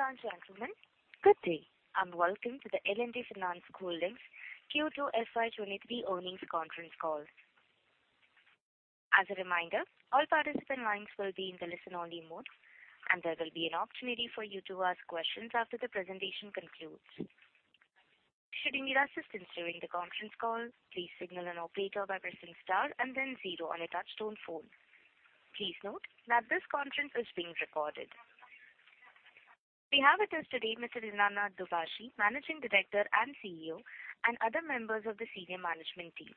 Ladies and gentlemen, good day, and welcome to the L&T Finance Holdings Q2 FY 2023 earnings conference call. As a reminder, all participant lines will be in the listen-only mode, and there will be an opportunity for you to ask questions after the presentation concludes. Should you need assistance during the conference call, please signal an operator by pressing star and then zero on your touchtone phone. Please note that this conference is being recorded. We have with us today Mr. Dinanath Dubhashi, Managing Director and CEO, and other members of the senior management team.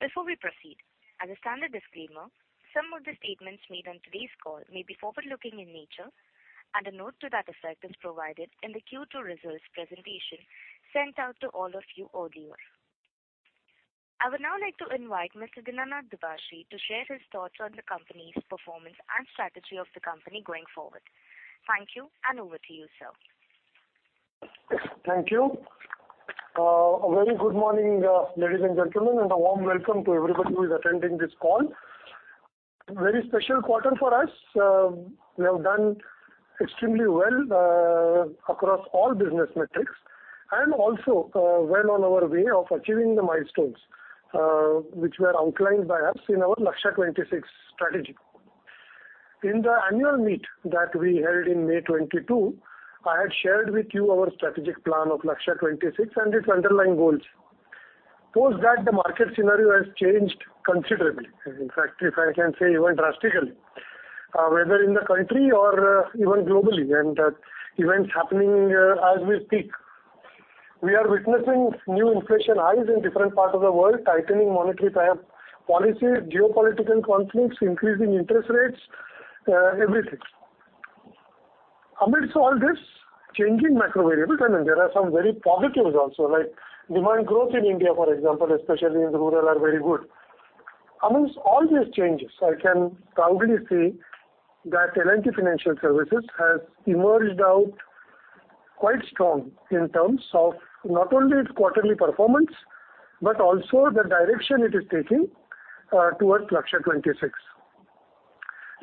Before we proceed, as a standard disclaimer, some of the statements made on today's call may be forward-looking in nature, and a note to that effect is provided in the Q2 results presentation sent out to all of you earlier. I would now like to invite Mr. Dinanath Dubhashi to share his thoughts on the company's performance and strategy of the company going forward. Thank you, and over to you, sir. Thank you. A very good morning, ladies and gentlemen, and a warm welcome to everybody who is attending this call. Very special quarter for us. We have done extremely well across all business metrics and also well on our way of achieving the milestones which were outlined by us in our Lakshya 2026 strategy. In the annual meet that we held in May 2022, I had shared with you our strategic plan of Lakshya 2026 and its underlying goals. Post that, the market scenario has changed considerably. In fact, if I can say even drastically, whether in the country or even globally and events happening as we speak. We are witnessing new inflation highs in different parts of the world, tightening monetary policies, geopolitical conflicts, increasing interest rates, everything. Amidst all this changing macro variables, and there are some very positives also, like demand growth in India, for example, especially in the rural, are very good. Among all these changes, I can proudly say that L&T Financial Services has emerged out quite strong in terms of not only its quarterly performance, but also the direction it is taking towards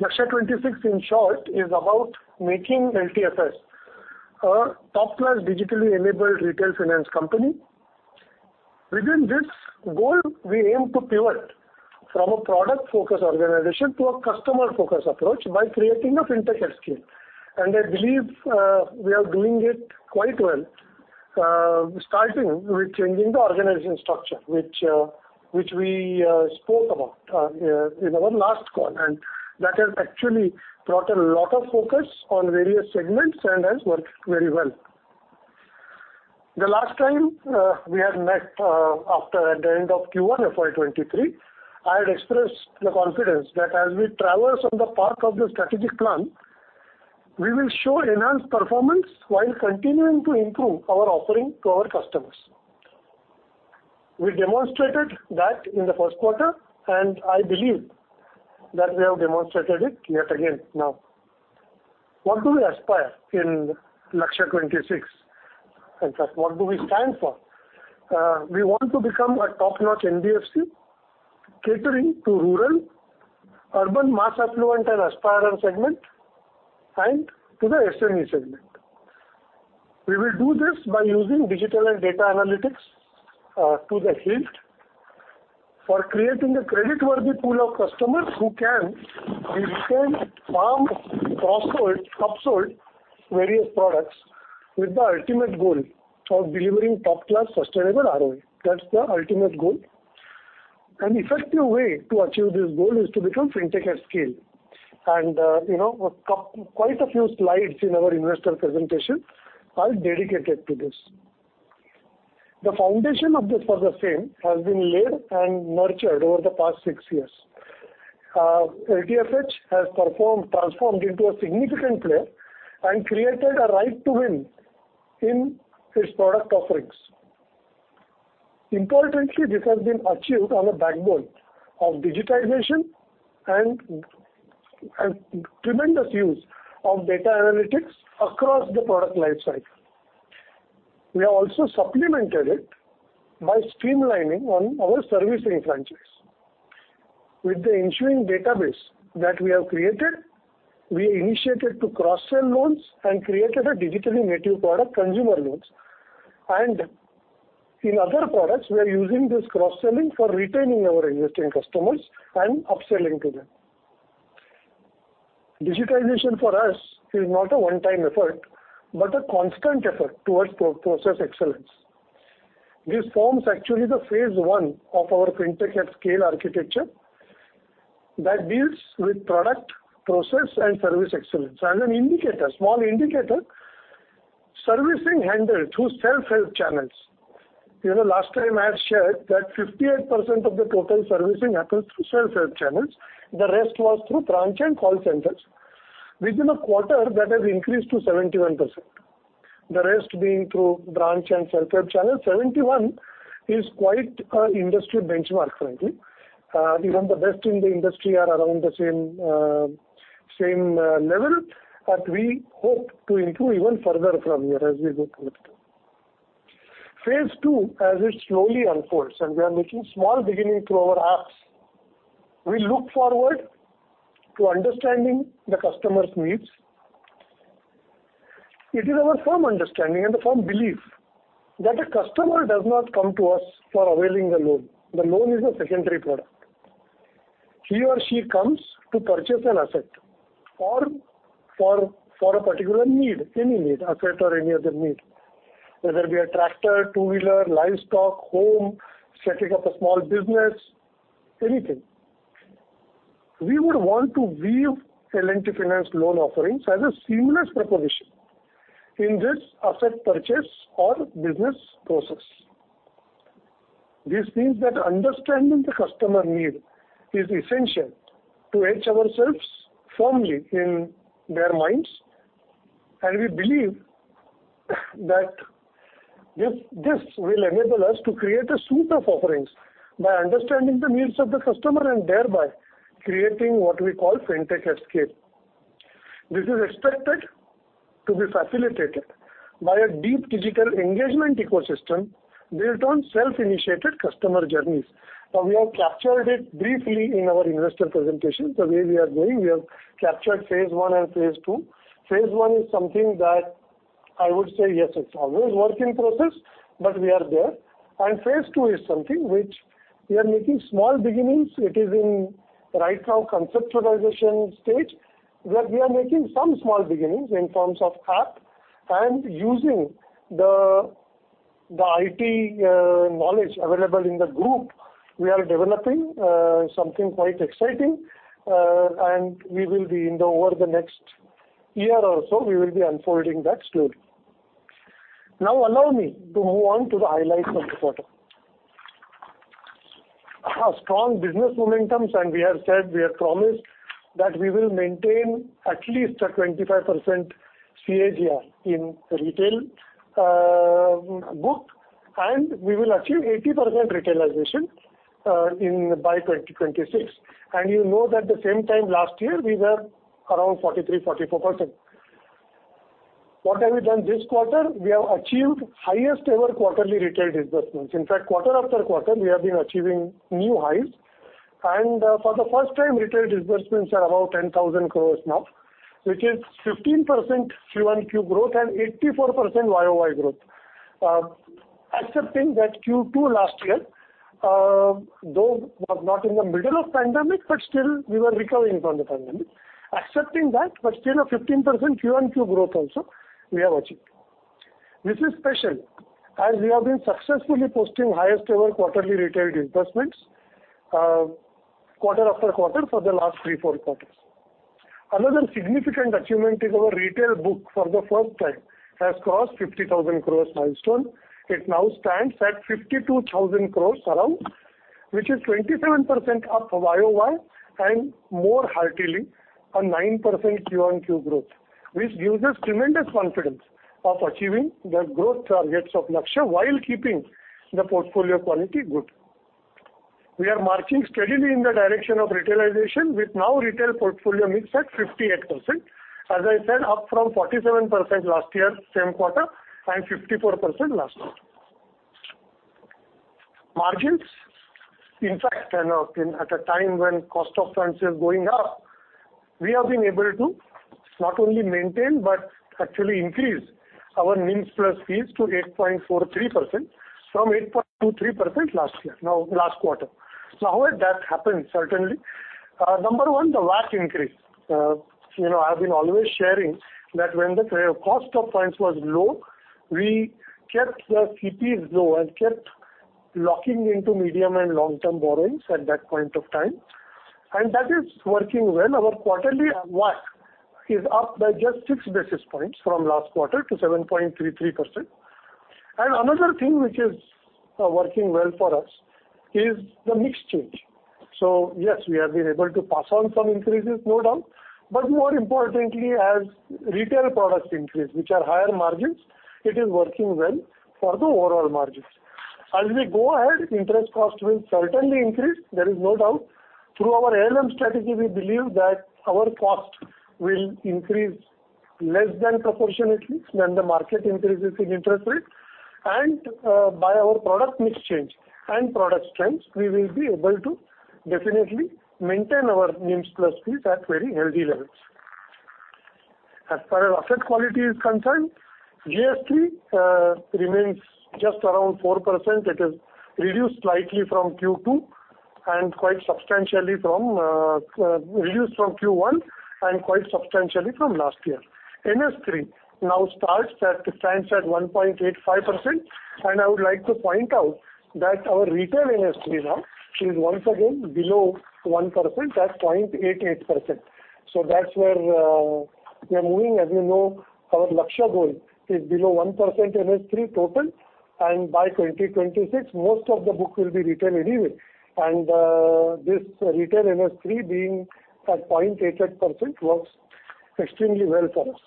Lakshya 2026. Lakshya 2026, in short, is about making LTFS a top-class digitally enabled retail finance company. Within this goal, we aim to pivot from a product-focused organization to a customer-focused approach by creating a Fintech at scale. I believe we are doing it quite well, starting with changing the organization structure, which we spoke about in our last call. That has actually brought a lot of focus on various segments and has worked very well. The last time we had met after at the end of Q1 FY 2023, I had expressed the confidence that as we traverse on the path of the strategic plan, we will show enhanced performance while continuing to improve our offering to our customers. We demonstrated that in the first quarter, and I believe that we have demonstrated it yet again now. What do we aspire in Lakshya 2026? In fact, what do we stand for? We want to become a top-notch NBFC catering to rural, urban, mass affluent and aspirant segment and to the SME segment. We will do this by using digital and data analytics to the hilt for creating a creditworthy pool of customers who can be retailed, farmed, cross-sold, up-sold various products with the ultimate goal of delivering top-class sustainable ROE. That's the ultimate goal. An effective way to achieve this goal is to become Fintech at Scale. You know, quite a few slides in our investor presentation are dedicated to this. The foundation of this for the same has been laid and nurtured over the past six years. LTFH has performed, transformed into a significant player and created a right to win in its product offerings. Importantly, this has been achieved on a backbone of digitization and tremendous use of data analytics across the product life cycle. We have also supplemented it by streamlining on our servicing franchise. With the ensuing database that we have created, we initiated to cross-sell loans and created a digitally native product, consumer loans. In other products, we are using this cross-selling for retaining our existing customers and upselling to them. Digitization for us is not a one-time effort, but a constant effort towards process excellence. This forms actually the phase I of our Fintech at Scale architecture that deals with product, process and service excellence. As an indicator, small indicator, servicing handled through self-help channels. You know, last time I had shared that 58% of the total servicing happens through self-help channels. The rest was through branch and call centers. Within a quarter, that has increased to 71%. The rest being through branch and self-help channels. 71% is quite an industry benchmark frankly. Even the best in the industry are around the same level, but we hope to improve even further from here as we go forward. Phase II, as it slowly unfolds, and we are making small beginning through our apps, we look forward to understanding the customer's needs. It is our firm understanding and a firm belief that a customer does not come to us for availing the loan. The loan is a secondary product. He or she comes to purchase an asset for a particular need, any need, asset or any other need, whether it be a tractor, two-wheeler, livestock, home, setting up a small business, anything. We would want to weave L&T Finance loan offerings as a seamless proposition in this asset purchase or business process. This means that understanding the customer need is essential to etch ourselves firmly in their minds, and we believe that this will enable us to create a suite of offerings by understanding the needs of the customer and thereby creating what we call Fintech@Scale. This is expected to be facilitated by a deep digital engagement ecosystem built on self-initiated customer journeys. Now, we have captured it briefly in our investor presentation, the way we are going. We have captured phase I and phase II. Phase I is something that I would say, yes, it's always work in progress, but we are there. Phase II is something which we are making small beginnings. It is right now in conceptualization stage, where we are making some small beginnings in terms of app and using the IT knowledge available in the group, we are developing something quite exciting. And we will be over the next year or so, we will be unfolding that story. Now allow me to move on to the highlights of the quarter. A strong business momentums, and we have said, we have promised that we will maintain at least a 25% CAGR in retail book, and we will achieve 80% retailization by 2026. You know that the same time last year we were around 43, 44%. What have we done this quarter? We have achieved highest ever quarterly retail disbursements. In fact, quarter after quarter, we have been achieving new highs. For the first time, retail disbursements are above 10,000 crore now, which is 15% Q-o-Q growth and 84% Y-o-Y growth. Accepting that Q2 last year though was not in the middle of pandemic, but still we were recovering from the pandemic. Accepting that, but still a 15% Q-o-Q growth also we have achieved. This is special as we have been successfully posting highest ever quarterly retail disbursements, quarter after quarter for the last 3-4 quarters. Another significant achievement is our retail book for the first time has crossed 50,000 crore milestone. It now stands at 52,000 crore around, which is 27% up from year-over-year and more hearteningly a 9% Q-o-Q growth, which gives us tremendous confidence of achieving the growth targets of Lakshya while keeping the portfolio quality good. We are marching steadily in the direction of retailization with now retail portfolio mix at 58%. As I said, up from 47% last year, same quarter, and 54% last year. Margins, in fact, you know, at a time when cost of funds is going up, we have been able to not only maintain but actually increase our NIMs plus fees to 8.43% from 8.23% last quarter. Now, how has that happened, certainly? Number one, the WAC increase. You know, I've been always sharing that when the cost of funds was low, we kept the CP low and kept locking into medium and long-term borrowings at that point of time, and that is working well. Our quarterly WAC is up by just six basis points from last quarter to 7.33%. Another thing which is working well for us is the mix change. Yes, we have been able to pass on some increases, no doubt. More importantly, as retail products increase, which are higher margins, it is working well for the overall margins. As we go ahead, interest cost will certainly increase. There is no doubt. Through our ALM strategy, we believe that our cost will increase less than proportionately when the market increases in interest rates and, by our product mix change and product strengths, we will be able to definitely maintain our NIMs plus fees at very healthy levels. As far as asset quality is concerned, GS3 remains just around 4%. It has reduced slightly from Q2 and quite substantially from Q1 and quite substantially from last year. NS3 now stands at 1.85%, and I would like to point out that our retail NS3 now is once again below 1% at 0.88%. That's where we are moving. As you know, our Lakshya goal is below 1% NS3 total, and by 2026 most of the book will be retail anyway. This retail NS3 being at 0.88% works extremely well for us.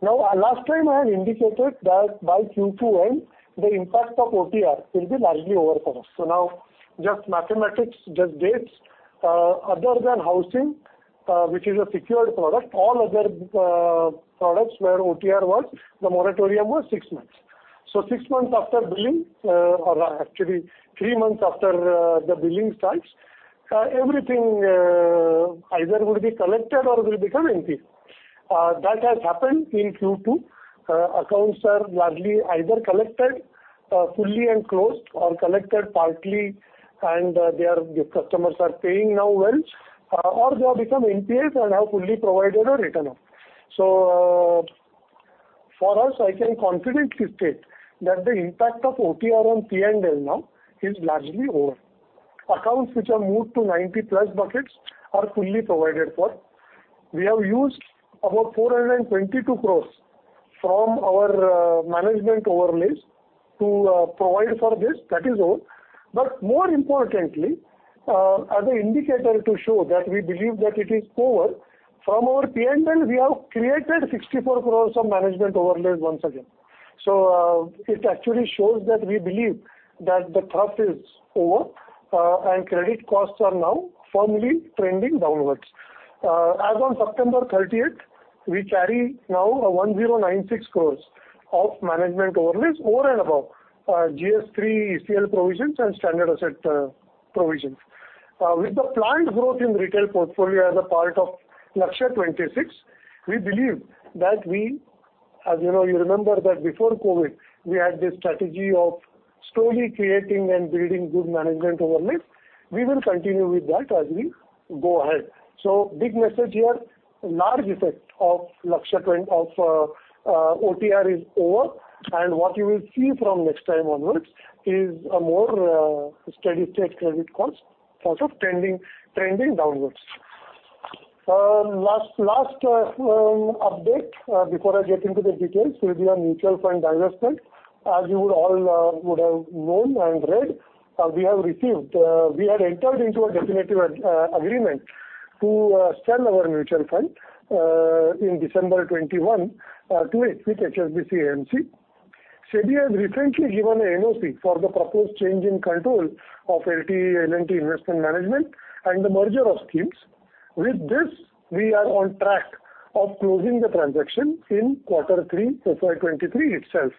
Now last time I had indicated that by Q2 end, the impact of OTR will be largely over for us. Now just mathematics, just dates, other than housing, which is a secured product. All other products where OTR was, the moratorium was six months. So six months after billing, or actually three months after the billing starts, everything either would be collected or will become NPA. That has happened in Q2. Accounts are largely either collected fully and closed or collected partly and the customers are paying now well or they have become NPAs and have fully provided for and written off. For us, I can confidently state that the impact of OTR on P&L now is largely over. Accounts which are moved to 90+ buckets are fully provided for. We have used about 422 crore from our management overlays to provide for this. That is over. But more importantly, as an indicator to show that we believe that it is over, from our P&L, we have created 64 crore of management overlays once again. It actually shows that we believe that the tough is over and credit costs are now firmly trending downwards. As on September 30, we carry now 1,096 crores of management overlays over and above GS3 ECL provisions and standard asset provisions. With the planned growth in retail portfolio as a part of Lakshya 2026, we believe that we. As you know, you remember that before COVID, we had this strategy of slowly creating and building good management overlays. We will continue with that as we go ahead. Big message here, large effect of Lakshya 2026 OTR is over. What you will see from next time onwards is a more steady state credit costs also trending downwards. Last update before I get into the details will be on mutual fund divestment. As you would all have known and read, we had entered into a definitive agreement to sell our mutual fund in December 2021 to HSBC AMC. SEBI has recently given an NOC for the proposed change in control of L&T Investment Management and the merger of schemes. With this, we are on track to closing the transaction in quarter three FY2023 itself.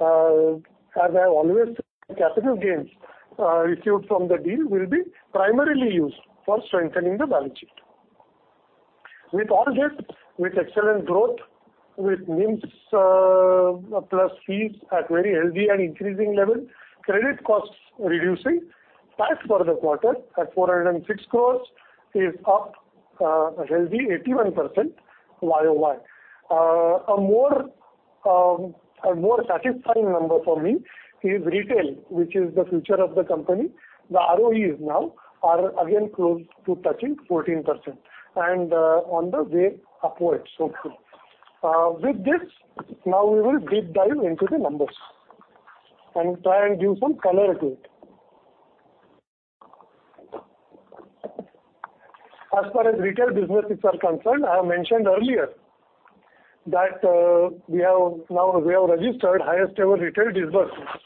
As I have always said, capital gains received from the deal will be primarily used for strengthening the balance sheet. With all this, with excellent growth, with NIMs plus fees at very healthy and increasing level, credit costs reducing, PAT for the quarter at 406 crore is up a healthy 81% Y-on-Y. A more satisfying number for me is retail, which is the future of the company. The ROEs now are again close to touching 14% and on the way upwards hopefully. With this, now we will deep dive into the numbers and try and give some color to it. As far as retail businesses are concerned, I have mentioned earlier that we have now registered highest ever retail disbursements.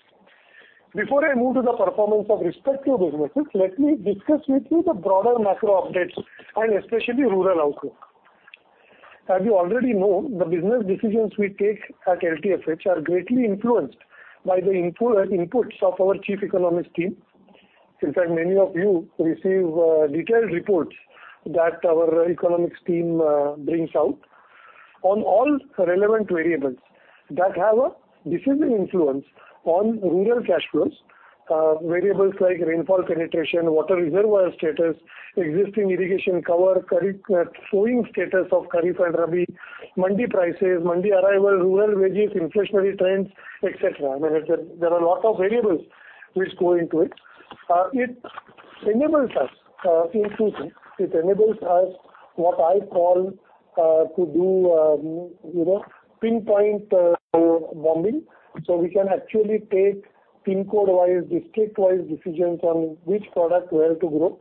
Before I move to the performance of respective businesses, let me discuss with you the broader macro updates and especially rural outlook. As you already know, the business decisions we take at LTFH are greatly influenced by the inputs of our chief economics team. In fact, many of you receive detailed reports that our economics team brings out on all relevant variables that have a decisive influence on rural cash flows. Variables like rainfall penetration, water reservoir status, existing irrigation cover, current sowing status of Kharif and Rabi, mandi prices, mandi arrival, rural wages, inflationary trends, et cetera. I mean, there are a lot of variables which go into it. It enables us in two things. It enables us what I call to do, you know, pinpoint bombing. So we can actually take pin code-wise, district-wise decisions on which product where to grow.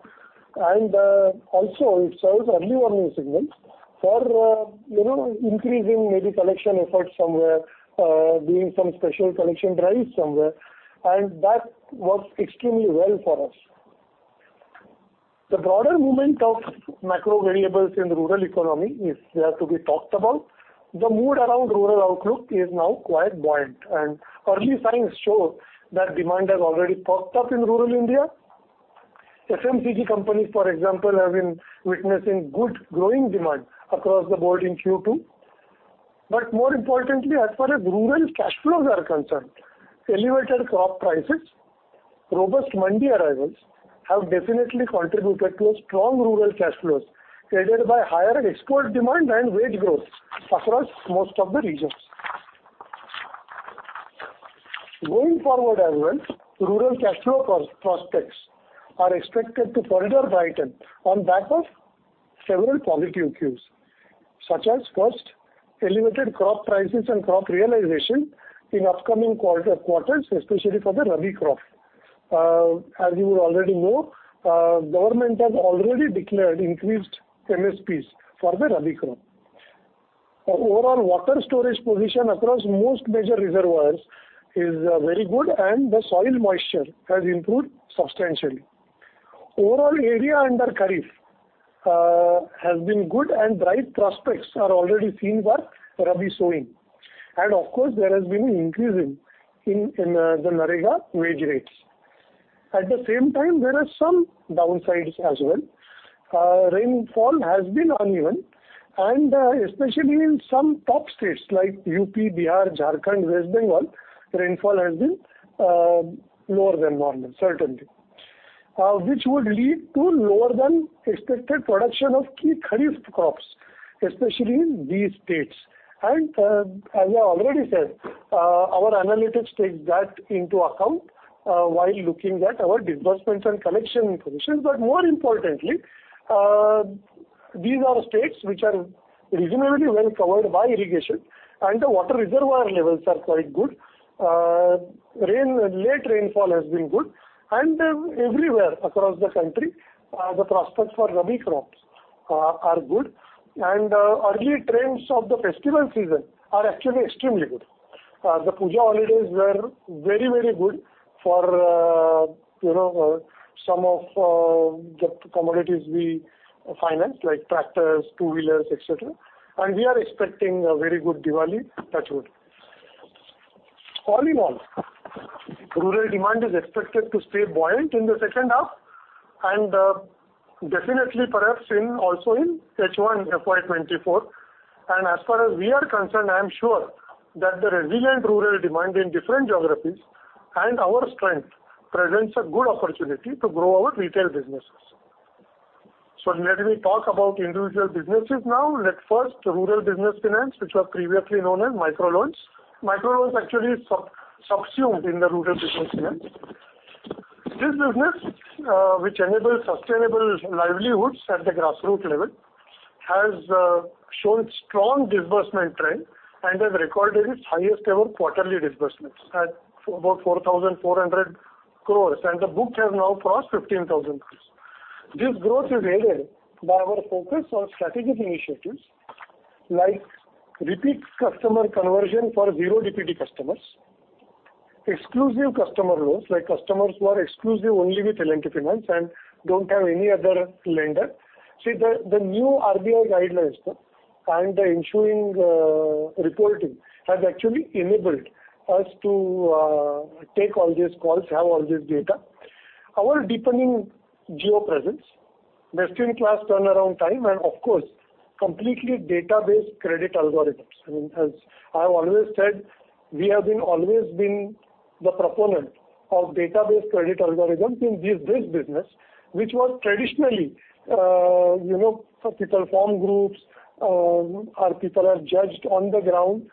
Also it serves early warning signals for, you know, increasing maybe collection efforts somewhere, doing some special collection drives somewhere. That works extremely well for us. The broader movement of macro variables in the rural economy is there to be talked about. The mood around rural outlook is now quite buoyant, and early signs show that demand has already perked up in rural India. FMCG companies, for example, have been witnessing good growing demand across the board in Q2. More importantly, as far as rural cash flows are concerned, elevated crop prices, robust mandi arrivals have definitely contributed to a strong rural cash flows, aided by higher export demand and wage growth across most of the regions. Going forward as well, rural cash flow prospects are expected to further brighten on back of several positive cues, such as, first, elevated crop prices and crop realization in upcoming quarters, especially for the Rabi crop. As you would already know, government has already declared increased MSPs for the Rabi crop. The overall water storage position across most major reservoirs is very good, and the soil moisture has improved substantially. Overall area under Kharif has been good, and bright prospects are already seen for Rabi sowing. Of course, there has been an increase in the MGNREGA wage rates. At the same time, there are some downsides as well. Rainfall has been uneven, and especially in some top states like UP, Bihar, Jharkhand, West Bengal, rainfall has been lower than normal certainly. Which would lead to lower than expected production of key Kharif crops, especially in these states. As I already said, our analytics takes that into account while looking at our disbursements and collection positions. More importantly, these are states which are reasonably well covered by irrigation, and the water reservoir levels are quite good. Late rainfall has been good. Everywhere across the country, the prospects for Rabi crops are good. Early trends of the festival season are actually extremely good. The Puja holidays were very good for, you know, some of the commodities we finance, like tractors, two-wheelers, et cetera. We are expecting a very good Diwali touch wood. All in all, rural demand is expected to stay buoyant in the second half, and definitely perhaps also in H1 FY 2024. As far as we are concerned, I am sure that the resilient rural demand in different geographies and our strength presents a good opportunity to grow our retail businesses. Let me talk about individual businesses now. Let's first Rural Business Finance, which was previously known as micro loans. Micro loans actually subsumed in the Rural Business Finance. This business, which enables sustainable livelihoods at the grassroots level, has shown strong disbursement trend and has recorded its highest ever quarterly disbursements at about 4,400 crores, and the books have now crossed 15,000 crores. This growth is aided by our focus on strategic initiatives like repeat customer conversion for zero DPD customers, exclusive customer loans, like customers who are exclusive only with L&T Finance and don't have any other lender. See, the new RBI guidelines and the ensuing reporting has actually enabled us to take all these calls, have all this data. Our deepening geo presence, best-in-class turnaround time, and of course, completely data-based credit algorithms. I mean, as I've always said, we have always been the proponent of data-based credit algorithms in this business, which was traditionally, you know, people form groups or people are judged on the ground.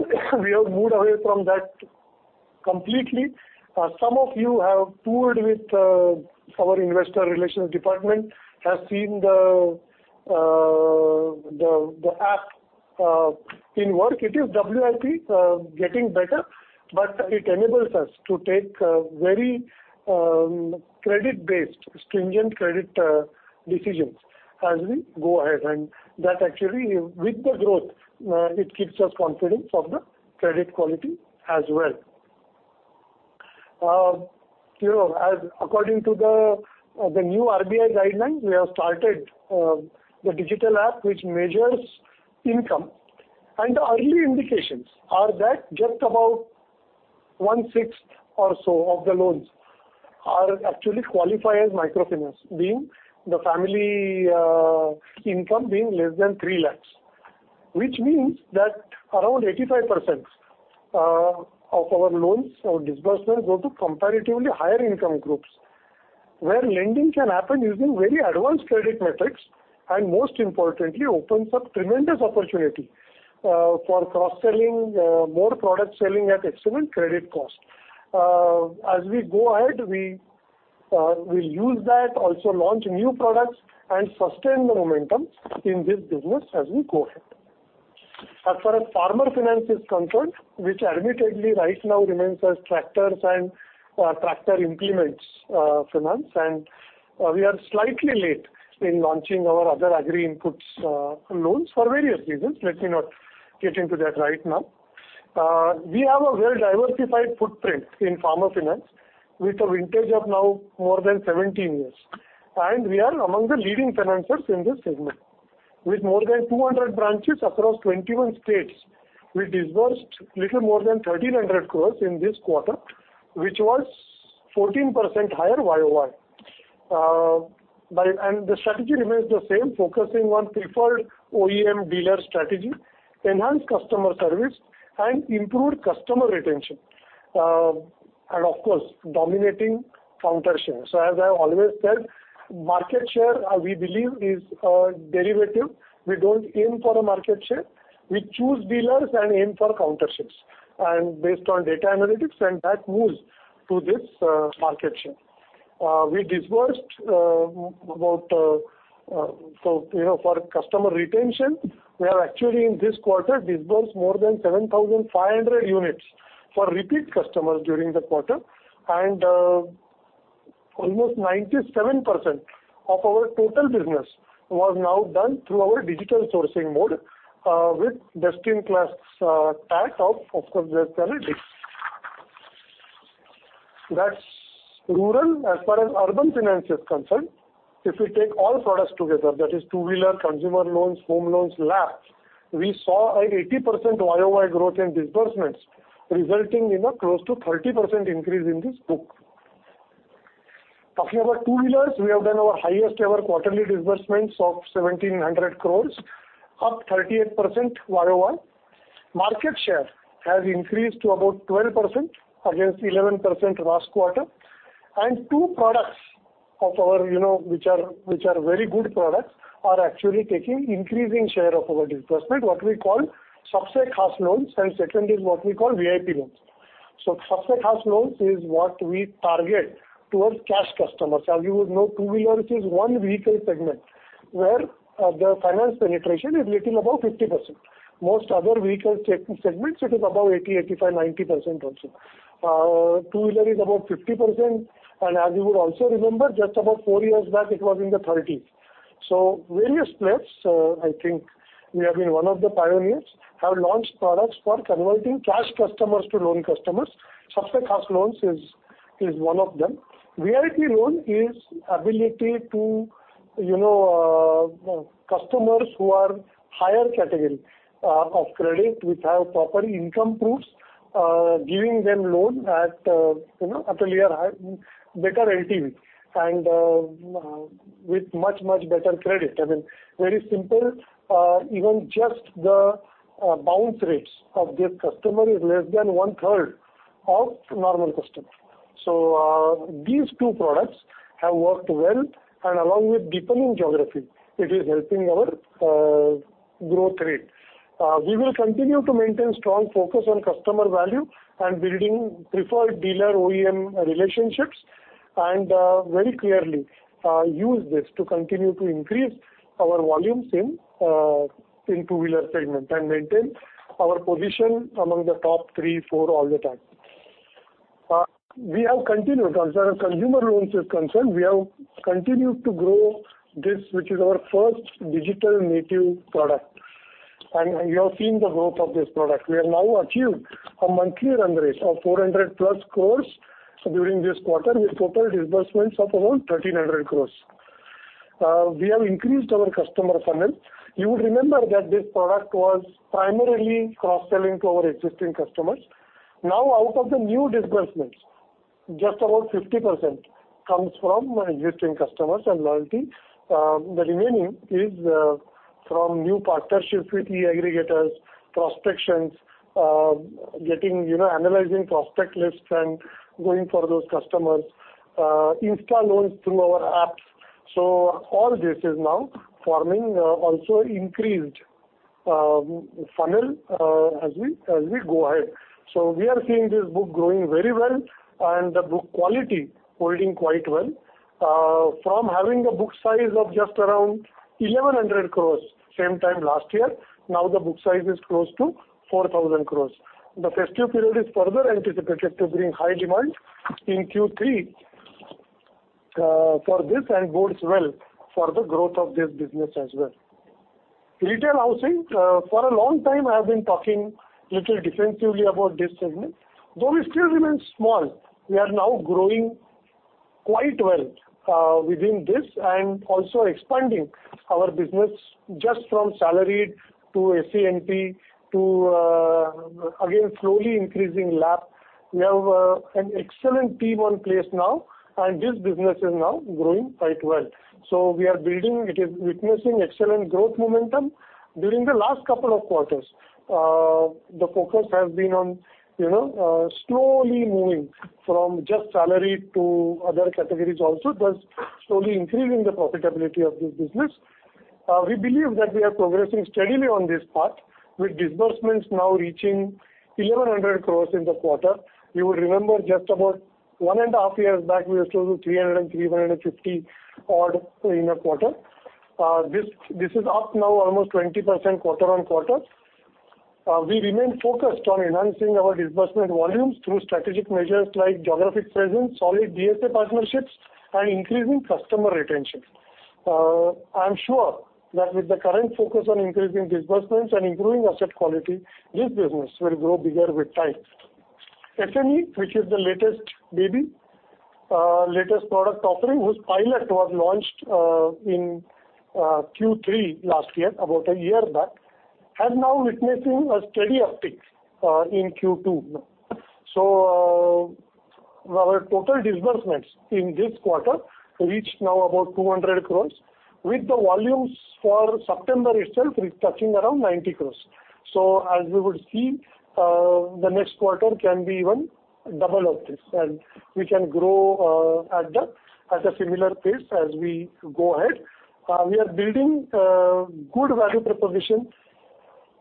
We have moved away from that completely. Some of you have toured with our investor relations department, have seen the app at work. It is WIP, getting better, but it enables us to take very credit-based, stringent credit decisions as we go ahead. That actually, with the growth, it keeps us confident of the credit quality as well. You know, according to the new RBI guidelines, we have started the digital app which measures income. The early indications are that just about one-sixth or so of the loans are actually qualify as microfinance, being the family income being less than 3 lakh. Which means that around 85% of our loans or disbursements go to comparatively higher income groups where lending can happen using very advanced credit metrics, and most importantly, opens up tremendous opportunity for cross-selling more product selling at excellent credit cost. As we go ahead, we'll use that, also launch new products and sustain the momentum in this business as we go ahead. As far as Farmer Finance is concerned, which admittedly right now remains as tractors and tractor implements finance. We are slightly late in launching our other Agri inputs loans for various reasons. Let me not get into that right now. We have a well-diversified footprint in Farmer Finance with a vintage of now more than 17 years, and we are among the leading financers in this segment. With more than 200 branches across 21 states, we disbursed little more than 1,300 crore in this quarter, which was 14% higher year-over-year. The strategy remains the same, focusing on preferred OEM dealer strategy, enhanced customer service and improved customer retention. Of course, dominating counter sales. As I have always said, market share, we believe is, derivative. We don't aim for a market share. We choose dealers and aim for counter sales and based on data analytics, and that moves to this market share. We disbursed, you know, for customer retention, we have actually in this quarter disbursed more than 7,500 units for repeat customers during the quarter. Almost 97% of our total business was now done through our digital sourcing mode, with best-in-class tech of course, just analytics. That's rural. As far as urban finance is concerned, if we take all products together, that is two-wheeler, consumer loans, home loans, LAPs, we saw an 80% year-over-year growth in disbursements resulting in a close to 30% increase in this book. Talking about two-wheelers, we have done our highest ever quarterly disbursements of 1,700 crore, up 38% year-over-year. Market share has increased to about 12% against 11% last quarter. Two products of our, you know, which are very good products are actually taking increasing share of our disbursement, what we call Sabse Khaas Loans, and second is what we call VIP loans. Sabse Khaas Loans is what we target towards cash customers. As you would know, two-wheeler is one vehicle segment where the finance penetration is little above 50%. Most other vehicle segments, it is above 80, 85, 90% also. Two-wheeler is about 50%, and as you would also remember, just about four years back it was in the 30s. Various players, I think we have been one of the pioneers, have launched products for converting cash customers to loan customers. Sabse Khaas Loans is one of them. VIP loan is ability to customers who are higher category of credit which have proper income proofs, giving them loan at a higher, better LTV and with much, much better credit. I mean, very simple. Even just the bounce rates of this customer is less than one-third of normal customer. These two products have worked well and along with deepening geography, it is helping our growth rate. We will continue to maintain strong focus on customer value and building preferred dealer OEM relationships and very clearly use this to continue to increase our volumes in two-wheeler segment and maintain our position among the top three, four all the time. We have continued. As far as consumer loans is concerned, we have continued to grow this, which is our first digital native product, and you have seen the growth of this product. We have now achieved a monthly run rate of 400+ crores during this quarter with total disbursements of around 1,300 crores. We have increased our customer funnel. You would remember that this product was primarily cross-selling to our existing customers. Now, out of the new disbursements, just about 50% comes from existing customers and loyalty. The remaining is from new partnerships with e-aggregators, prospects, getting you know analyzing prospect lists and going for those customers, instant loans through our apps. All this is now forming also increased funnel as we go ahead. We are seeing this book growing very well and the book quality holding quite well. From having a book size of just around 1,100 crores same time last year, now the book size is close to 4,000 crores. The festive period is further anticipated to bring high demand in Q3 for this and bodes well for the growth of this business as well. Retail housing. For a long time, I have been talking little defensively about this segment. Though it still remains small, we are now growing quite well within this and also expanding our business just from salaried to SEP to again, slowly increasing LAP. We have an excellent team in place now and this business is now growing quite well. We are building. It is witnessing excellent growth momentum during the last couple of quarters. The focus has been on, you know, slowly moving from just salary to other categories also, thus slowly increasing the profitability of this business. We believe that we are progressing steadily on this path with disbursements now reaching 1,100 crores in the quarter. You would remember just about one and a half years back, we were close to 300-350 odd in a quarter. This is up now almost 20% quarter-on-quarter. We remain focused on enhancing our disbursement volumes through strategic measures like geographic presence, solid DSA partnerships and increasing customer retention. I am sure that with the current focus on increasing disbursements and improving asset quality, this business will grow bigger with time. SME, which is the latest baby, latest product offering whose pilot was launched in Q3 last year, about a year back, has now witnessing a steady uptick in Q2. Our total disbursements in this quarter reached now about 200 crore with the volumes for September itself is touching around 90 crore. As we would see, the next quarter can be even double of this and we can grow at a similar pace as we go ahead. We are building a good value proposition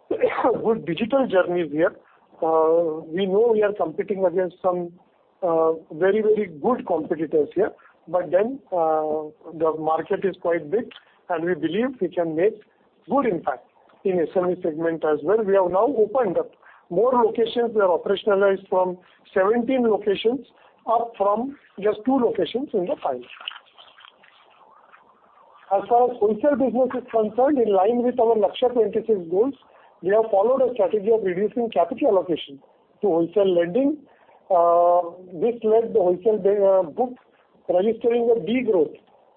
with digital journeys here. We know we are competing against some very, very good competitors here, but then the market is quite big and we believe we can make good impact. In SME segment as well, we have now opened up more locations. We have operationalized from 17 locations, up from just two locations in the FY. As far as wholesale business is concerned, in line with our Lakshya 2026 goals, we have followed a strategy of reducing capital allocation to wholesale lending. This led the wholesale book registering a degrowth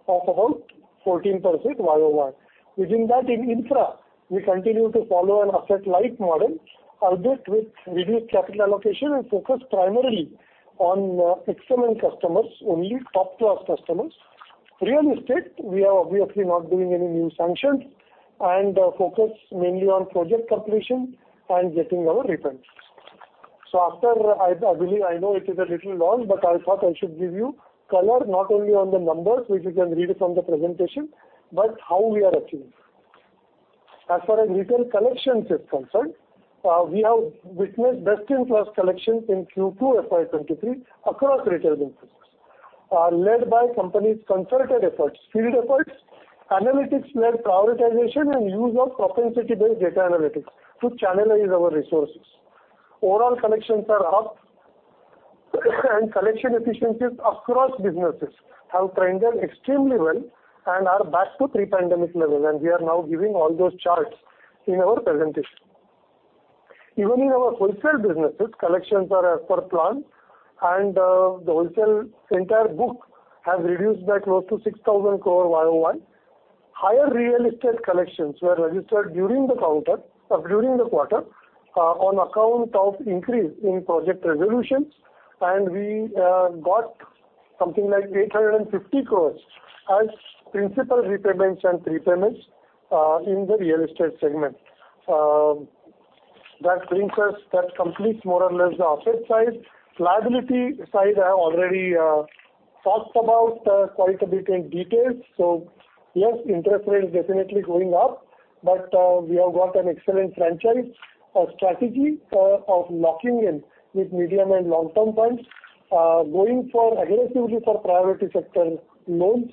of about 14% year-over-year. Within that, in infra, we continue to follow an asset-light model, albeit with reduced capital allocation and focus primarily on excellent customers, only top-class customers. Real estate, we are obviously not doing any new sanctions and focus mainly on project completion and getting our repayments. After, I believe, I know it is a little long, but I thought I should give you color not only on the numbers, which you can read from the presentation, but how we are achieving. As far as retail collections is concerned, we have witnessed best-in-class collections in Q2 FY 2023 across retail businesses, led by company's concerted efforts, field efforts, analytics-led prioritization, and use of propensity-based data analytics to channelize our resources. Overall collections are up, and collection efficiencies across businesses have trended extremely well and are back to pre-pandemic levels, and we are now giving all those charts in our presentation. Even in our wholesale businesses, collections are as per plan, and the wholesale entire book has reduced by close to 6,000 crore year-over-year. Higher real estate collections were registered during the quarter, on account of increase in project resolutions, and we got something like 850 crore as principal repayments and prepayments, in the real estate segment. That brings us, that completes more or less the asset side. Liability side, I have already talked about quite a bit in detail. Yes, interest rate is definitely going up, but we have got an excellent franchise, a strategy of locking in with medium and long-term funds, going for aggressively for priority sector loans.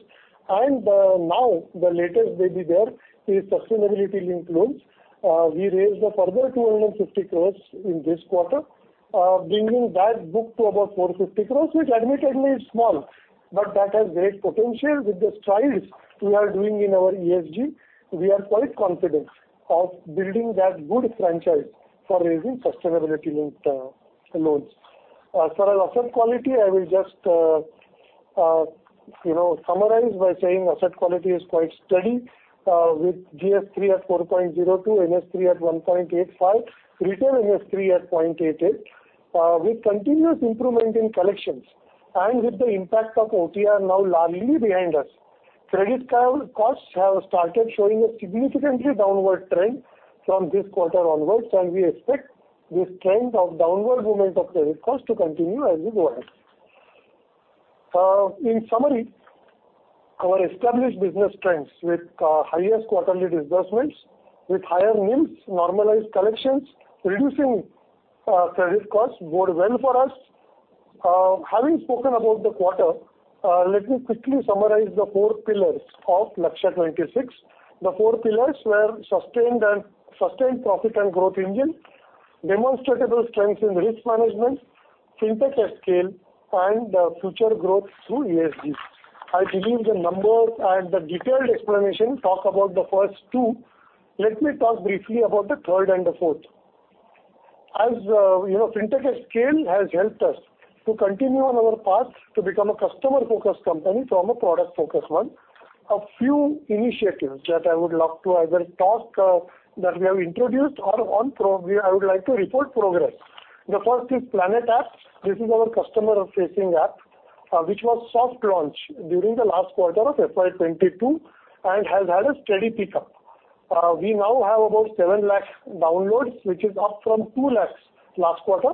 Now the latest baby there is sustainability-linked loans. We raised a further 250 crore in this quarter, bringing that book to about 450 crore, which admittedly is small. That has great potential with the strides we are doing in our ESG. We are quite confident of building that good franchise for raising sustainability-linked loans. As far as asset quality, I will just, you know, summarize by saying asset quality is quite steady, with GS3 at 4.02%, NS3 at 1.85%, retail NS3 at 0.88%. With continuous improvement in collections and with the impact of OTR now largely behind us, credit costs have started showing a significantly downward trend from this quarter onwards, and we expect this trend of downward movement of credit costs to continue as we go ahead. In summary, our established business trends with highest quarterly disbursements, with higher NIMs, normalized collections, reducing credit costs bode well for us. Having spoken about the quarter, let me quickly summarize the four pillars of Lakshya 2026. The four pillars were sustained profit and growth engine, demonstrable strength in risk management, Fintech at Scale, and future growth through ESG. I believe the numbers and the detailed explanation talk about the first two. Let me talk briefly about the third and the fourth. As you know, Fintech at Scale has helped us to continue on our path to become a customer-focused company from a product-focused one. A few initiatives that I would love to either talk that we have introduced or I would like to report progress. The first is PLANET App. This is our customer-facing app, which was soft launched during the last quarter of FY 2022 and has had a steady pickup. We now have about 7 lakh downloads, which is up from 2 lakhs last quarter.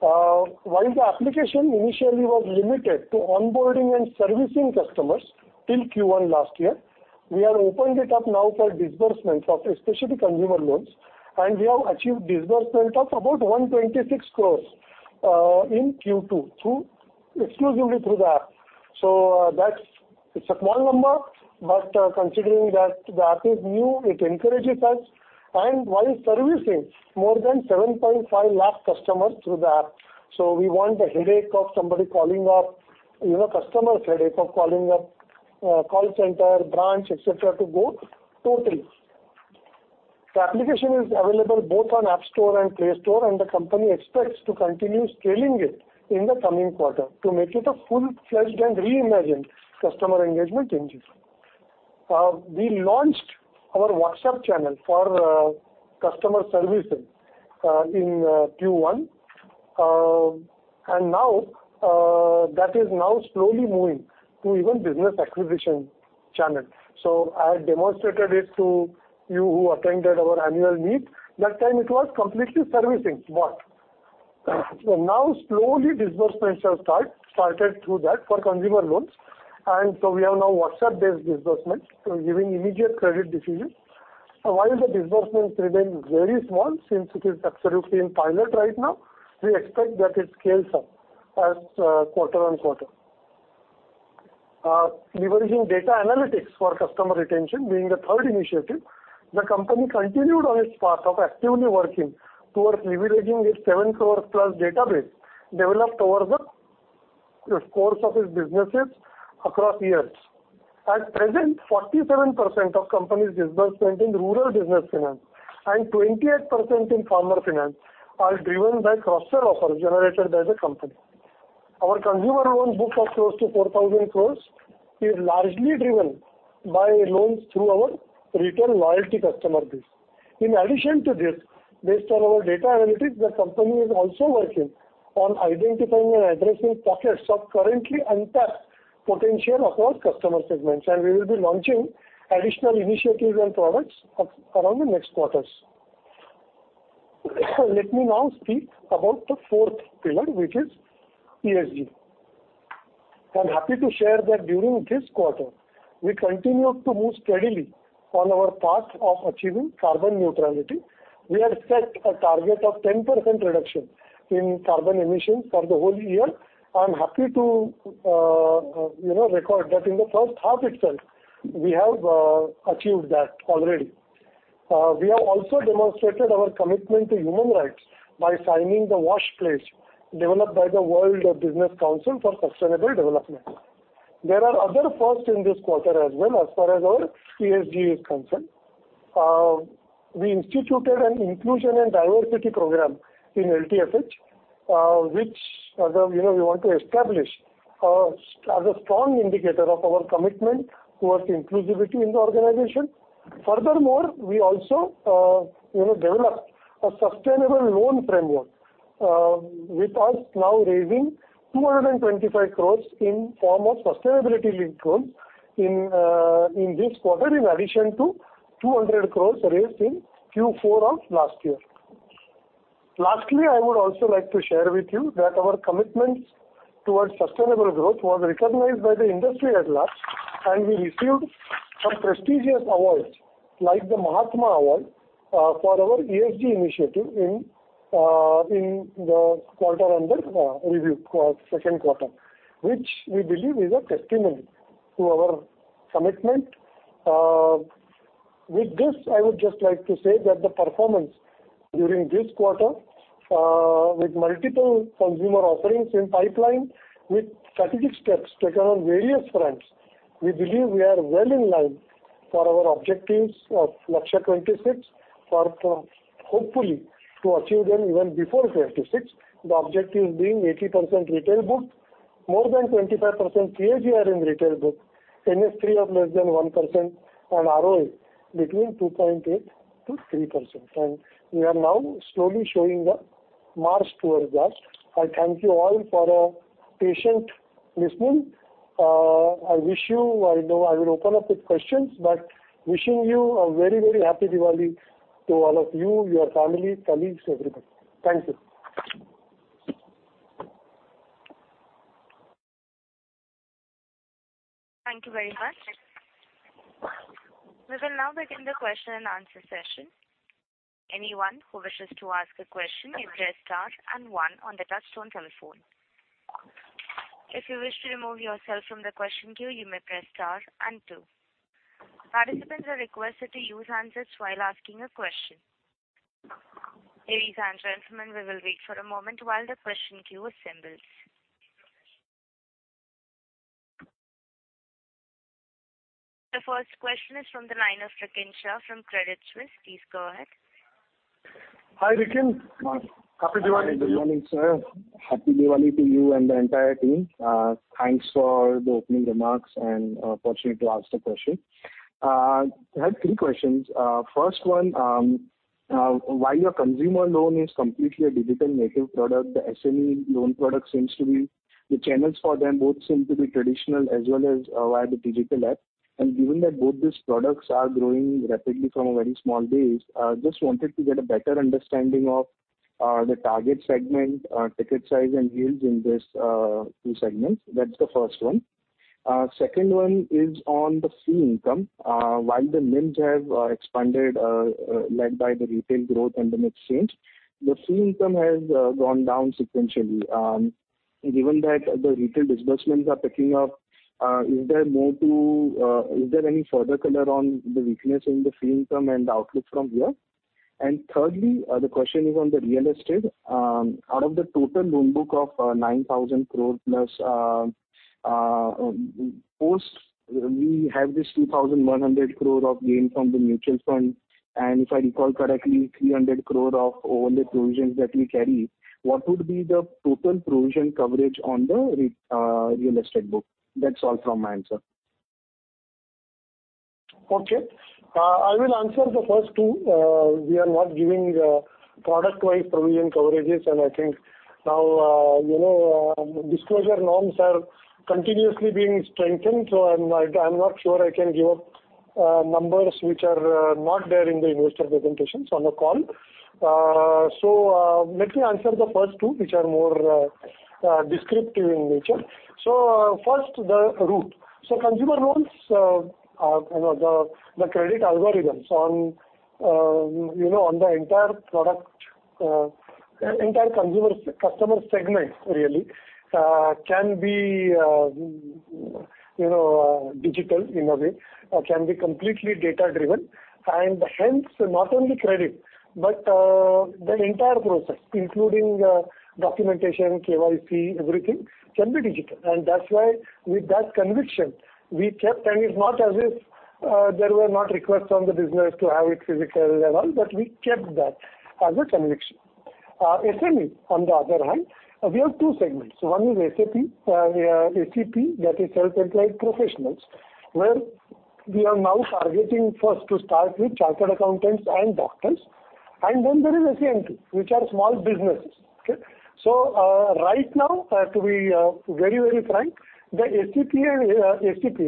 While the application initially was limited to onboarding and servicing customers till Q1 last year, we have opened it up now for disbursements of especially consumer loans, and we have achieved disbursement of about 126 crore in Q2 exclusively through the app. That's a small number, but considering that the app is new, it encourages us. While servicing more than 7.5 lakh customers through the app, we want the customer's headache of calling up call center, branch, et cetera, to go totally. The application is available both on App Store and Play Store, and the company expects to continue scaling it in the coming quarter to make it a full-fledged and reimagined customer engagement engine. We launched our WhatsApp channel for customer servicing in Q1. That is now slowly moving to even business acquisition channel. I had demonstrated it to you who attended our annual meet. That time it was completely servicing but. Now slowly disbursements have started through that for consumer loans. We have now WhatsApp-based disbursements, so giving immediate credit decisions. While the disbursements remain very small, since it is absolutely in pilot right now, we expect that it scales up quarter-on-quarter. Leveraging data analytics for customer retention being the third initiative. The company continued on its path of actively working towards leveraging its 7 crores plus database developed over the course of its businesses across years. At present, 47% of company's disbursement in Rural Business Finance and 28% in Farmer Finance are driven by cross-sell offers generated by the company. Our consumer loan book of close to 4,000 crore is largely driven by loans through our retail loyalty customer base. In addition to this, based on our data analytics, the company is also working on identifying and addressing pockets of currently untapped potential across customer segments, and we will be launching additional initiatives and products around the next quarters. Let me now speak about the fourth pillar, which is ESG. I'm happy to share that during this quarter, we continued to move steadily on our path of achieving carbon neutrality. We have set a target of 10% reduction in carbon emissions for the whole year. I'm happy to, you know, record that in the first half itself, we have achieved that already. We have also demonstrated our commitment to human rights by signing the WASH Pledge developed by the World Business Council for Sustainable Development. There are other firsts in this quarter as well as far as our ESG is concerned. We instituted an inclusion and diversity program in LTFH, which, you know, we want to establish as a strong indicator of our commitment towards inclusivity in the organization. Furthermore, we also, you know, developed a sustainable loan framework, with us now raising 225 crore in form of sustainability linked loans in this quarter, in addition to 200 crore raised in Q4 of last year. Lastly, I would also like to share with you that our commitments towards sustainable growth was recognized by the industry at large, and we received some prestigious awards like the Mahatma Award for our ESG initiative in the quarter under review, second quarter, which we believe is a testimony to our commitment. With this, I would just like to say that the performance during this quarter, with multiple consumer offerings in pipeline, with strategic steps taken on various fronts, we believe we are well in line for our objectives of Lakshya 2026 for hopefully to achieve them even before 2026. The objective being 80% retail book, more than 25% CAGR in retail book, NS3 of less than 1% and ROE between 2.8%-3%, and we are now slowly showing the march towards that. I thank you all for patient listening. I wish you, I know I will open up with questions, but wishing you a very, very happy Diwali to all of you, your family, colleagues, everybody. Thank you. Thank you very much. We will now begin the question and answer session. Anyone who wishes to ask a question, you press star and one on the touchtone telephone. If you wish to remove yourself from the question queue, you may press star and two. Participants are requested to use handsets while asking a question. Ladies and gentlemen, we will wait for a moment while the question queue assembles. The first question is from the line of Rikin Shah from Credit Suisse. Please go ahead. Hi, Rikin. Happy Diwali to you. Hi, good morning, sir. Happy Diwali to you and the entire team. Thanks for the opening remarks and opportunity to ask the question. I have three questions. First one, while your consumer loan is completely a digital native product, the SME loan product seems to be the channels for them both seem to be traditional as well as via the digital app. Given that both these products are growing rapidly from a very small base, just wanted to get a better understanding of the target segment, ticket size and yields in these two segments. That's the first one. Second one is on the fee income. While the NIMs have expanded, led by the retail growth and the mix change, the fee income has gone down sequentially. Given that the retail disbursements are picking up, is there any further color on the weakness in the fee income and the outlook from here? Thirdly, the question is on the real estate. Out of the total loan book of 9,000 crore plus, post we have this 2,100 crore of gain from the mutual fund, and if I recall correctly, 300 crore of overlay provisions that we carry, what would be the total provision coverage on the real estate book? That's all from my end, sir. Okay. I will answer the first two. We are not giving product-wise provision coverages, and I think now, you know, disclosure norms are continuously being strengthened. I'm not sure I can give up numbers which are not there in the investor presentations on the call. Let me answer the first two, which are more descriptive in nature. First the route. Consumer loans, you know, the credit algorithms on, you know, on the entire product, entire customer segment really can be digital in a way, can be completely data-driven and hence not only credit but the entire process including documentation, KYC, everything can be digital. That's why with that conviction we kept. It's not as if there were not requests from the business to have it physical and all, but we kept that as a conviction. SME on the other hand, we have two segments. One is SEP, that is self-employed professionals, where we are now targeting first to start with chartered accountants and doctors. Then there is SME, which are small businesses. Okay. Right now, to be very, very frank, the SEP and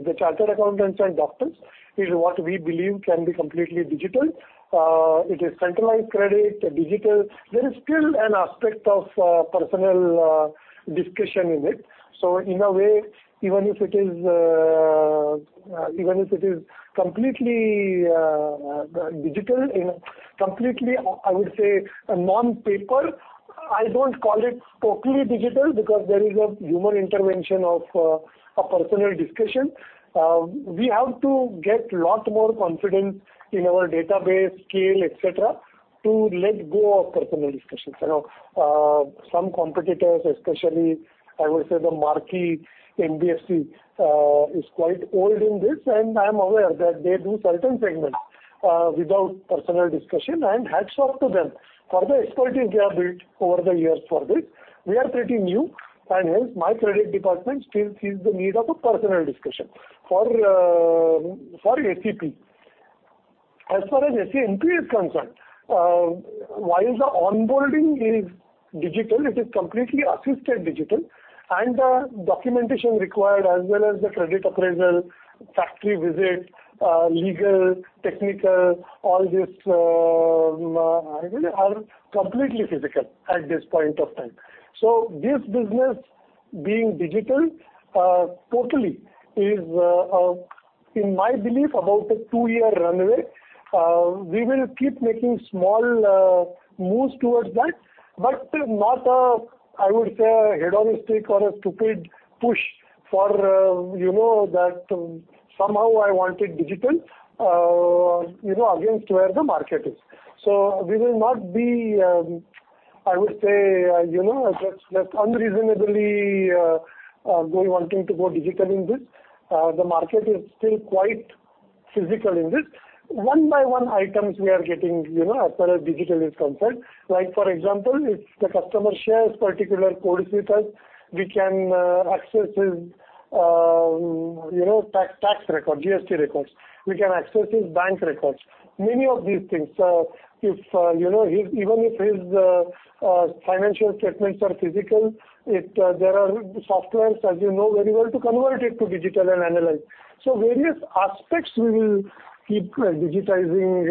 the chartered accountants and doctors is what we believe can be completely digital. It is centralized credit, digital. There is still an aspect of personal discussion in it. In a way, even if it is completely digital, you know, completely, I would say non-paper, I don't call it totally digital because there is a human intervention of a personal discussion. We have to get a lot more confidence in our database scale, et cetera, to let go of personal discussions. I know some competitors, especially I would say the marquee NBFC, is quite old in this, and I'm aware that they do certain segments without personal discussion, and hats off to them for the expertise they have built over the years for this. We are pretty new, and hence my credit department still feels the need of a personal discussion for SEP. As far as SME is concerned, while the onboarding is digital, it is completely assisted digital, and the documentation required as well as the credit appraisal, factory visit, legal, technical, all these, you know, are completely physical at this point of time. This business being digital totally is, in my belief, about a two-year runway. We will keep making small moves towards that, but not, I would say, a hedonistic or a stupid push for, you know, that somehow I want it digital, you know, against where the market is. We will not be, I would say, you know, just unreasonably wanting to go digital in this. The market is still quite physical in this. One by one items we are getting, you know, as far as digital is concerned. Like for example, if the customer shares particular codes with us, we can access his tax record, GST records. We can access his bank records. Many of these things. Even if his financial statements are physical, there are software as you know very well to convert it to digital and analyze. Various aspects we will keep digitizing,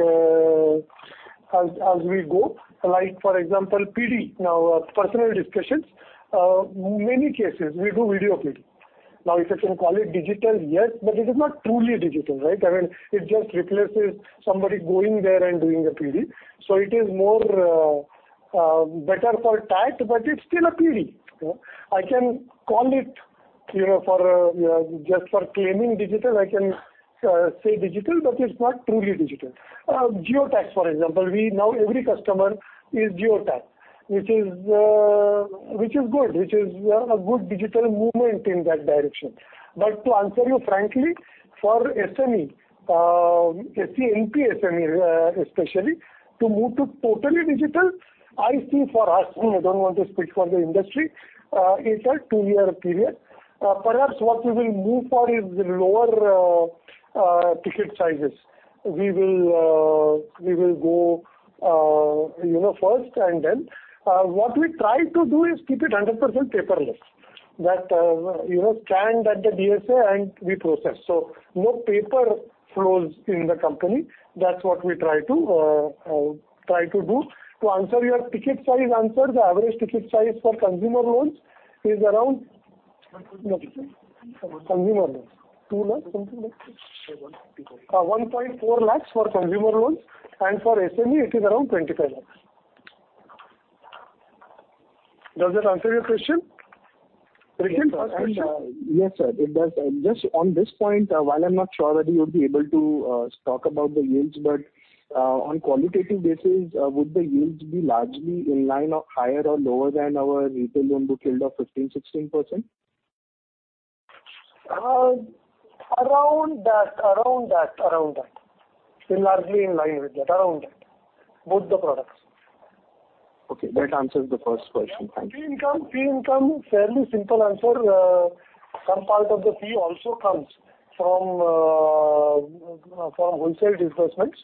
as we go. Like for example, PD. Now, personal discussions. Many cases we do video PD. Now, if I can call it digital, yes, but it is not truly digital, right? I mean, it just replaces somebody going there and doing a PD. It is more better for that, but it's still a PD. You know? I can call it, you know, for just claiming digital. I can say digital, but it's not truly digital. Geotag, for example. Now every customer is geotagged, which is a good digital movement in that direction. To answer you frankly, for SME especially, to move to totally digital, I see for us. I don't want to speak for the industry. It's a two-year period. Perhaps what we will move for is lower ticket sizes. We will go, you know, first and then. What we try to do is keep it 100% paperless. That, you know, scanned at the DSA and we process. No paper flows in the company. That's what we try to do. To answer your ticket size, the average ticket size for consumer loans is around. INR 2 lakh. Consumer loans. 2 lakhs? Something like this. 1.4. 1.4 lakh for consumer loans, and for SME it is around 25 lakh. Does that answer your question? First question. Yes, sir. It does. Just on this point, while I'm not sure whether you'll be able to talk about the yields, but on qualitative basis, would the yields be largely in line or higher or lower than our retail loan book yield of 15%-16%? Around that. Largely in line with that. Around that. Both the products. Okay. That answers the first question. Thank you. Yeah. Fee income. Fee income, fairly simple answer. Some part of the fee also comes from wholesale disbursements.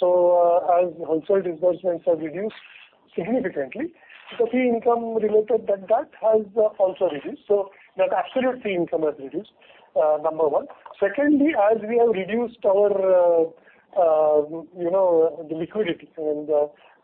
As wholesale disbursements have reduced significantly, the fee income related to that has also reduced. The absolute fee income has reduced, number one. Secondly, as we have reduced our, you know, the liquidity and,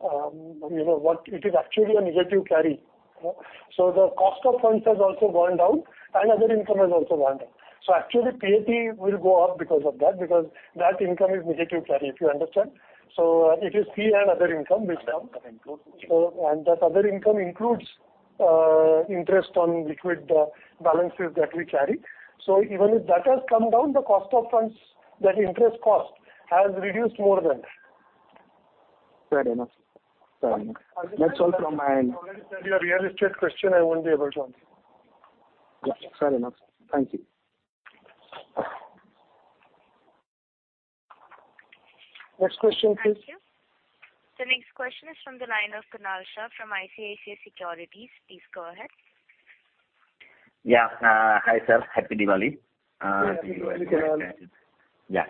you know. It is actually a negative carry. The cost of funds has also gone down and other income has also gone down. Actually PAT will go up because of that, because that income is negative carry, if you understand. It is fee and other income which comes. That includes. That other income includes interest on liquid balances that we carry. Even if that has come down, the cost of funds, that interest cost has reduced more than that. Fair enough. That's all from my end. As you said, your real estate question, I won't be able to answer. Yeah. Fair enough. Thank you. Next question, please. Thank you. The next question is from the line of Kunal Shah from ICICI Securities. Please go ahead. Yeah. Hi, sir. Happy Diwali. Yeah. Happy Diwali.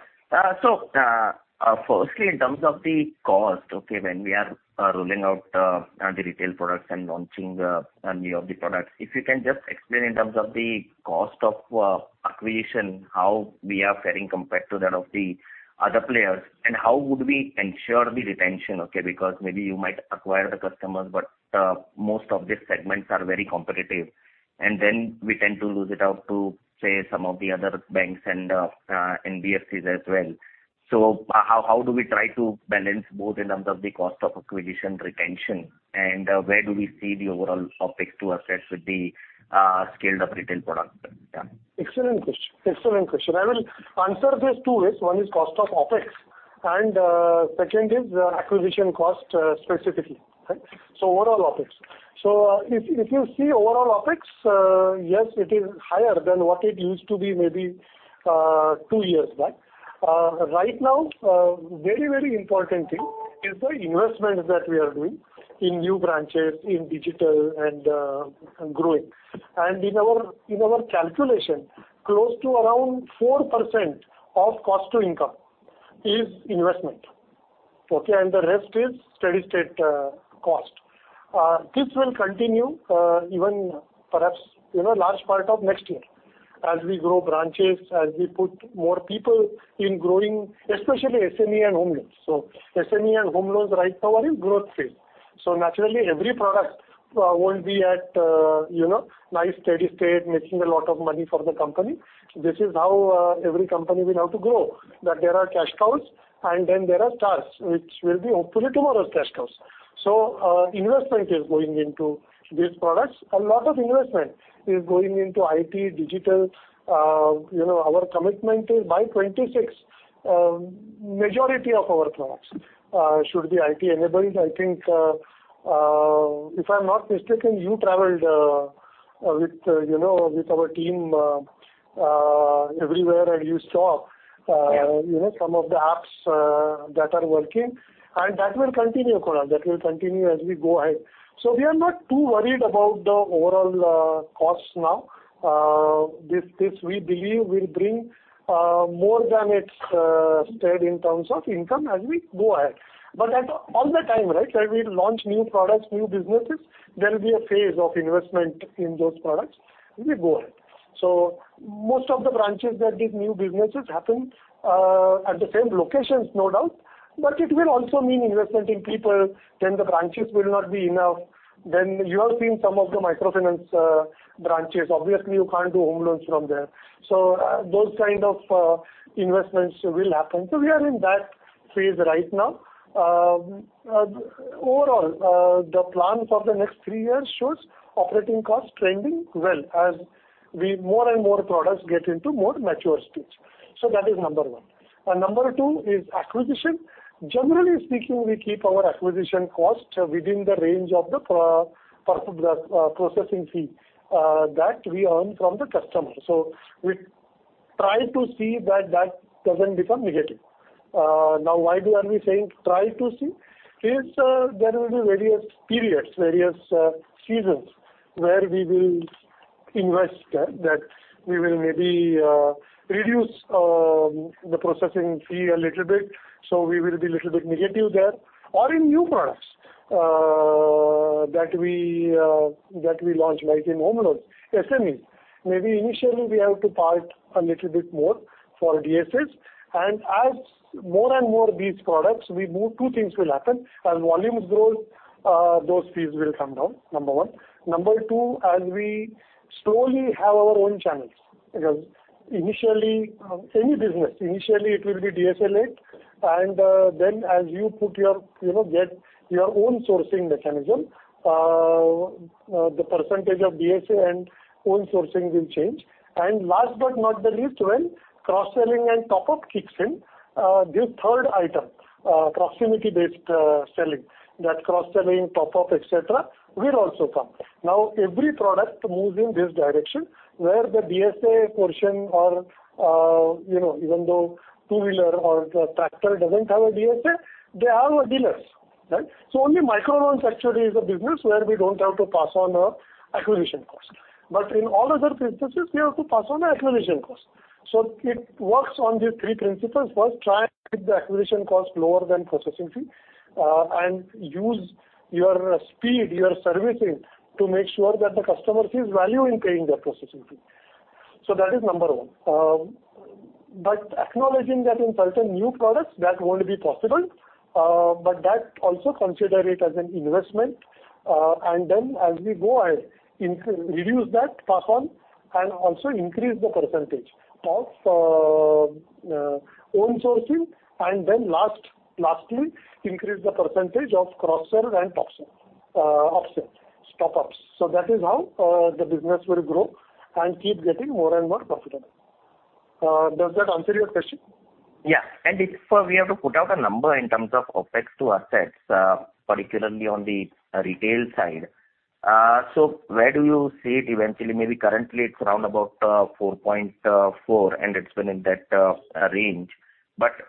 Firstly, in terms of the cost, okay, when we are rolling out the retail products and launching any of the products, if you can just explain in terms of the cost of acquisition, how we are faring compared to that of the other players, and how would we ensure the retention, okay, because maybe you might acquire the customers, but most of these segments are very competitive. Then we tend to lose it out to, say, some of the other banks and NBFCs as well. How do we try to balance both in terms of the cost of acquisition retention, and where do we see the overall OpEx to assets with the scaled up retail product? Excellent question. I will answer this two ways. One is cost of OpEx, and second is acquisition cost, specifically. Right? Overall OpEx. If you see overall OpEx, yes, it is higher than what it used to be maybe two years back. Right now, very, very important thing is the investment that we are doing in new branches, in digital and growing. In our calculation, close to around 4% of cost to income is investment. Okay? The rest is steady-state cost. This will continue, even perhaps, you know, large part of next year as we grow branches, as we put more people in growing, especially SME and home loans. SME and home loans right now are in growth phase. Naturally every product won't be at, you know, nice steady state making a lot of money for the company. This is how every company will have to grow, that there are cash cows and then there are stars which will be hopefully tomorrow's cash cows. Investment is going into these products. A lot of investment is going into IT, digital. You know, our commitment is by 2026, majority of our products should be IT enabled. I think, if I'm not mistaken, you traveled with, you know, with our team everywhere and you saw. Yes You know, some of the apps that are working, and that will continue, Kunal. That will continue as we go ahead. We are not too worried about the overall costs now. This we believe will bring more than its weight in terms of income as we go ahead. At all times, right, where we launch new products, new businesses, there will be a phase of investment in those products as we go ahead. Most of the branches that these new businesses happen at the same locations, no doubt, but it will also mean investment in people, then the branches will not be enough. You have seen some of the microfinance branches. Obviously, you can't do home loans from there. Those kind of investments will happen. We are in that phase right now. Overall, the plans of the next three years shows operating costs trending well as we more and more products get into more mature stage. That is number one. Number two is acquisition. Generally speaking, we keep our acquisition cost within the range of the processing fee that we earn from the customer. We try to see that that doesn't become negative. Now why are we saying try to see? There will be various periods, seasons where we will invest that we will maybe reduce the processing fee a little bit, so we will be little bit negative there. Or in new products that we launch like in home loans, SME, maybe initially we have to pay a little bit more for DSAs. As more and more these products we move, two things will happen. As volumes grow, those fees will come down, number one. Number two, as we slowly have our own channels, because initially, any business, initially it will be DSA led, and then as you put your, you know, get your own sourcing mechanism, the percentage of DSA and own sourcing will change. Last but not the least, when cross-selling and top-up kicks in, this third item, proximity-based selling, that cross-selling, top-up, etcetera, will also come. Now, every product moves in this direction where the DSA portion or, you know, even though two-wheeler or the tractor doesn't have a DSA, they have dealers, right? Only micro loans actually is a business where we don't have to pass on an acquisition cost. In all other instances, we have to pass on the acquisition cost. It works on these three principles. First, try and keep the acquisition cost lower than processing fee, and use your speed, your servicing to make sure that the customer sees value in paying that processing fee. That is number one. Acknowledging that in certain new products, that won't be possible, but that also consider it as an investment. As we go ahead, reduce that pass on and also increase the percentage of own sourcing and then last, lastly, increase the percentage of cross-sell and top sell, up-sells, top-ups. That is how the business will grow and keep getting more and more profitable. Does that answer your question? Yeah. If we have to put out a number in terms of OpEx to assets, particularly on the retail side. Where do you see it eventually? Maybe currently it's around about 4.4%, and it's been in that range.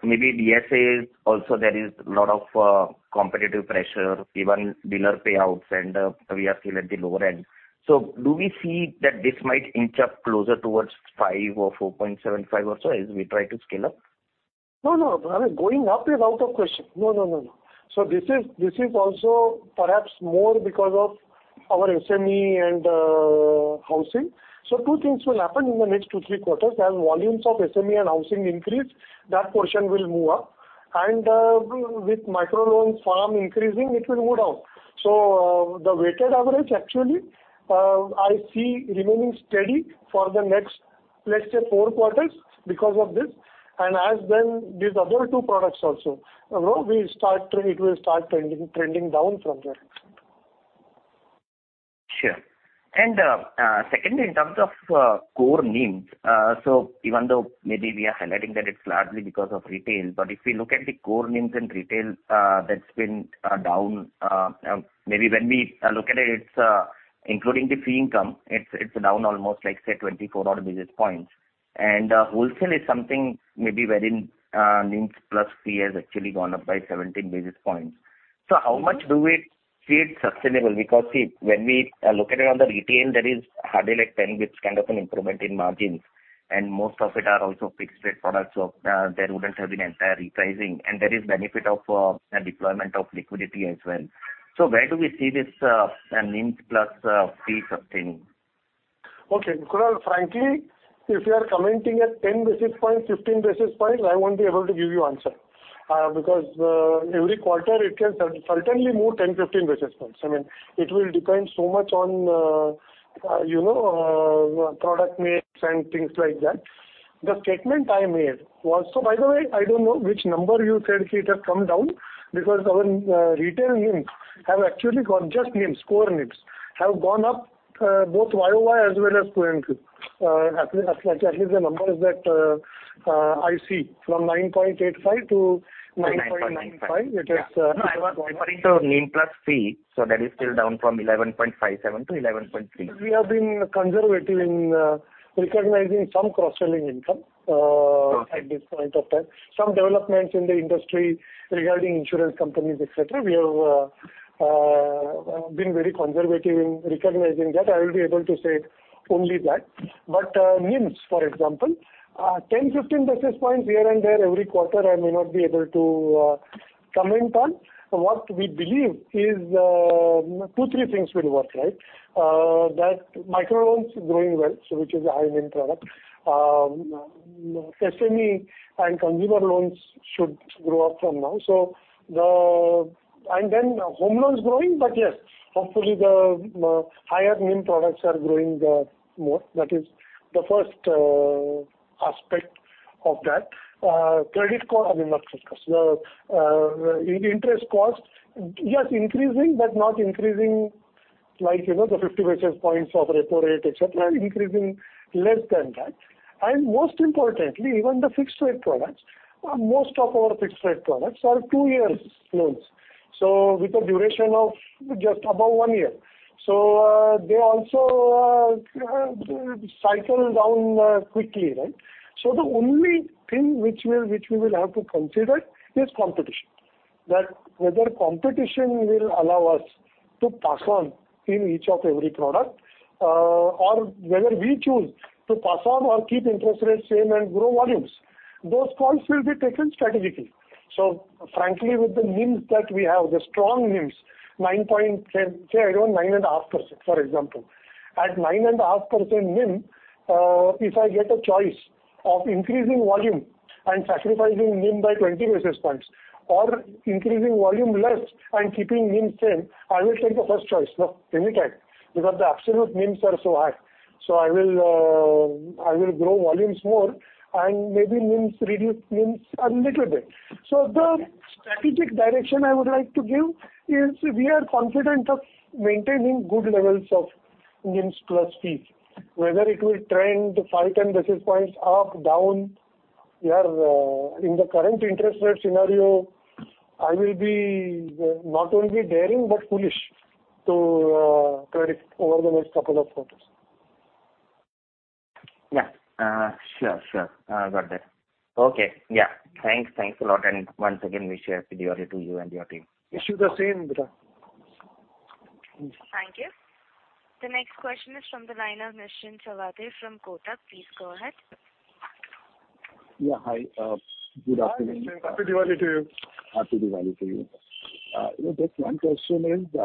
Maybe DSAs also there is a lot of competitive pressure, even dealer payouts, and we are still at the lower end. Do we see that this might inch up closer towards 5% or 4.75% or so as we try to scale up? No, no. I mean, going up is out of question. No. This is also perhaps more because of our SME and housing. Two things will happen in the next 2-3 quarters. As volumes of SME and housing increase, that portion will move up. With micro loans farm increasing, it will go down. The weighted average actually I see remaining steady for the next, let's say, 4 quarters because of this. As then these other two products also, you know, it will start trending down from there. Sure. Secondly, in terms of core NIMs, even though maybe we are highlighting that it's largely because of retail, but if we look at the core NIMs in retail, that's been down. Maybe when we look at it's including the fee income, it's down almost like, say, 24 odd basis points. Wholesale is something maybe wherein NIMs plus fee has actually gone up by 17 basis points. How much do we see it sustainable? Because, see, when we look at it on the retail, there is hardly like 10 basis kind of an improvement in margins, and most of it are also fixed rate products, so there wouldn't have been entire repricing, and there is benefit of a deployment of liquidity as well. Where do we see this, NIM plus fee sustaining? Okay. Kunal, frankly, if you are commenting at 10 basis points, 15 basis points, I won't be able to give you answer. Because every quarter it can certainly move 10, 15 basis points. I mean, it will depend so much on, you know, product mix and things like that. The statement I made was. By the way, I don't know which number you said it has come down because our retail NIM have actually gone, just NIMs, core NIMs, have gone up, both year-over-year as well as Q-o-Q. At least the number is that I see from 9.85%-9.95%. 9.95. Yeah. It is. No, I was referring to NIM plus fee, so that is still down from 11.57%-11.3%. We have been conservative in recognizing some cross-selling income at this point of time. Some developments in the industry regarding insurance companies, et cetera. We have been very conservative in recognizing that. I will be able to say only that. NIMs, for example, 10, 15 basis points here and there every quarter I may not be able to comment on. What we believe is two, three things will work, right? That micro loans growing well, so which is a high NIM product. SME and consumer loans should grow up from now. And then home loans growing, but yes, hopefully the higher NIM products are growing more. That is the first aspect of that. Credit cost, I mean, not credit cost. Interest cost, yes, increasing, but not increasing like, you know, the 50 basis points of repo rate, et cetera, increasing less than that. Most importantly, even the fixed rate products, most of our fixed rate products are two year loans. With a duration of just above one year. They also cycle down quickly, right? The only thing which we will have to consider is competition. Whether competition will allow us to pass on in each of every product, or whether we choose to pass on or keep interest rates same and grow volumes, those calls will be taken strategically. Frankly, with the NIMs that we have, the strong NIMs, 9%, say, around 9.5%, for example. At 9.5% NIM, if I get a choice of increasing volume and sacrificing NIM by 20 basis points or increasing volume less and keeping NIM same, I will take the first choice. No, anytime. Because the absolute NIMs are so high. I will grow volumes more and maybe NIMs reduce, NIMs a little bit. The strategic direction I would like to give is we are confident of maintaining good levels of NIMs plus fees. Whether it will trend 5, 10 basis points up, down, we are in the current interest rate scenario, I will be not only daring, but foolish to predict over the next couple of quarters. Yeah. Sure. I got that. Okay. Yeah. Thanks. Thanks a lot. Once again, wish a happy Diwali to you and your team. Wish you the same, Kunal. Thank you. The next question is from the line of Nishant Savade from Kotak. Please go ahead. Yeah, hi. Good afternoon. Hi, Nishant. Happy Diwali to you. Happy Diwali to you. Just one question is,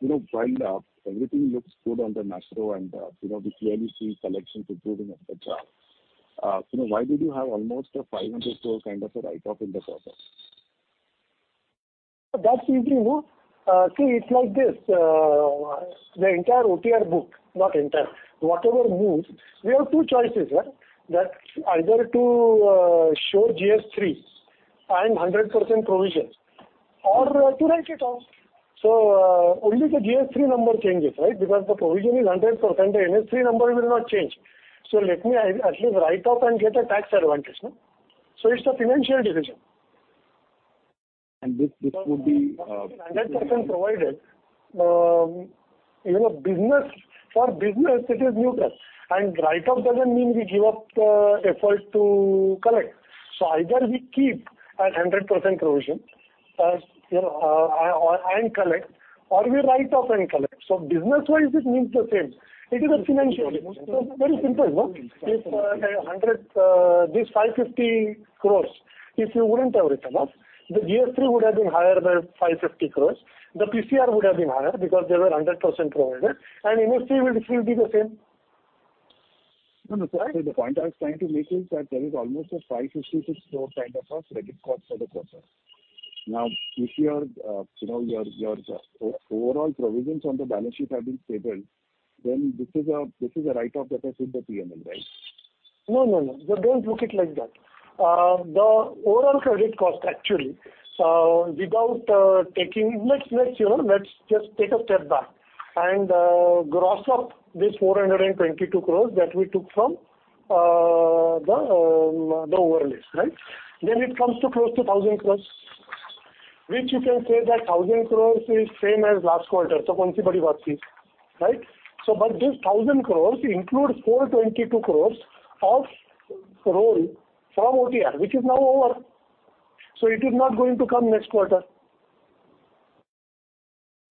you know, while everything looks good on the macro and, you know, we clearly see collections improving at the ground. You know, why did you have almost 500 crore kind of a write-off in the process? That's easy. No. See, it's like this. The entire OTR book, not entire. Whatever moves, we have two choices. That's either to show GS3 and 100% provision or to write it off. Only the GS3 number changes, right? Because the provision is 100%, the NS3 number will not change. Let me at least write off and get a tax advantage. It's a financial decision. This would be. 100% provided, you know, business for business, it is neutral. Write off doesn't mean we give up effort to collect. Either we keep a 100% provision and collect or we write off and collect. Business-wise, it means the same. It is a financial decision. Very simple, no? If this 550 crores, if you wouldn't have written off, the GS3 would have been higher by 550 crores. The PCR would have been higher because they were 100% provided, and NBFC will still be the same. Right? No, no. The point I was trying to make is that there is almost 556 crore kind of a credit cost for the quarter. Now, if your overall provisions on the balance sheet have been stable, then this is a write-off that has hit the P&L, right? No, no. Don't look at it like that. The overall credit cost actually. You know, let's just take a step back and gross up this 422 crores that we took from the overlays, right? Then it comes close to 1,000 crores, which you can say that 1,000 crores is same as last quarter. So Right? This 1,000 crore includes 422 crore of roll from OTR, which is now over. It is not going to come next quarter.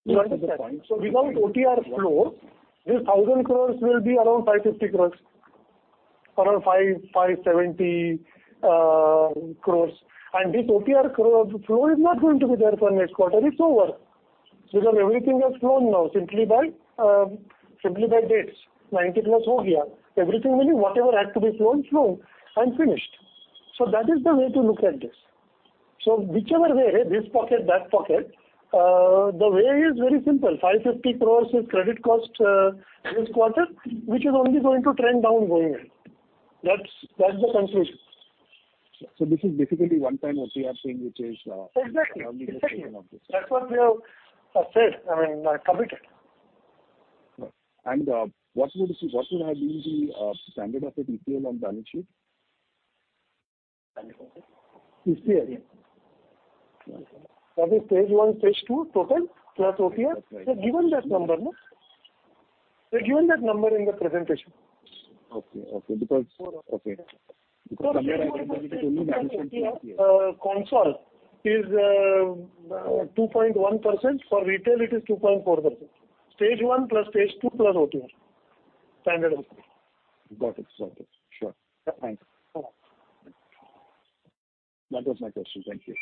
Do you understand? That's the point. Without OTR flow, this 1,000 crore will be around 550 crore. Around 550, 570 crore. This OTR flow is not going to be there for next quarter, it's over. Because everything has flown now simply by dates. 90+. Everything, meaning whatever had to be flown and finished. That is the way to look at this. Whichever way, this pocket, that pocket, the way is very simple. 550 crore is credit cost this quarter, which is only going to trend down going ahead. That's the conclusion. This is basically one time OTR thing which is. Exactly. Only this payment of this. That's what we have said, I mean, committed. What would have been the standard of the PPL on balance sheet? PPL? Yes. Whether Stage 1, Stage 2, total + OTR? Plus OTR. We've given that number, no? We've given that number in the presentation. Okay. For Okay. Because somewhere I was able to only balance sheet PPL. Consolidated is 2.1%. For retail it is 2.4%. Stage 1 + Stage 2 + OTR. Stage 3. Got it. Sure. Yeah. Thanks. Okay. That was my question. Thank you.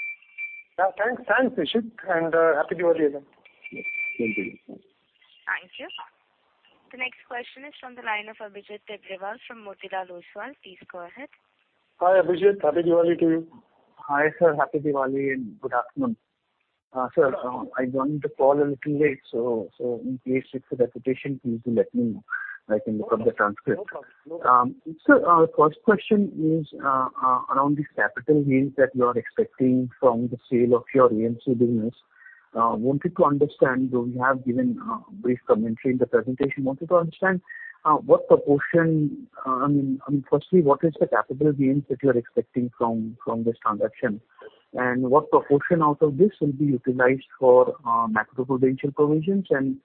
Yeah. Thanks. Thanks, Nishant Savade, and Happy Diwali again. Yes. Same to you. Thanks. Thank you. The next question is from the line of Abhijit Tibrewal from Motilal Oswal. Please go ahead. Hi, Abhijit. Happy Diwali to you. Hi, sir. Happy Diwali and good afternoon. Sir, I joined the call a little late, so in case if the repetition, please do let me know. I can look up the transcript. No problem. No problem. First question is around the capital gains that you are expecting from the sale of your AMC business. Wanted to understand, though you have given brief commentary in the presentation, wanted to understand what proportion, firstly, what is the capital gains that you are expecting from this transaction? And what proportion out of this will be utilized for macro-prudential provisions and,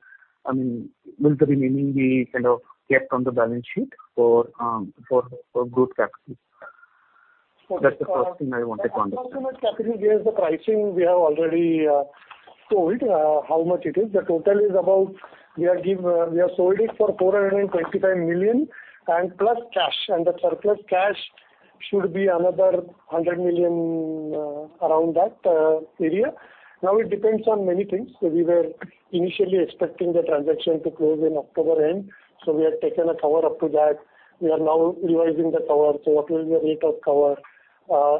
I mean, will the remaining be kind of kept on the balance sheet for good practice? That's the first thing I wanted to understand. The approximate capital gains, the pricing we have already told how much it is. The total is about, we have sold it for $425 million plus cash. The surplus cash should be another $100 million, around that area. Now, it depends on many things. We were initially expecting the transaction to close in October end, so we have taken a cover up to that. We are now revising the cover, so what will be the rate of cover,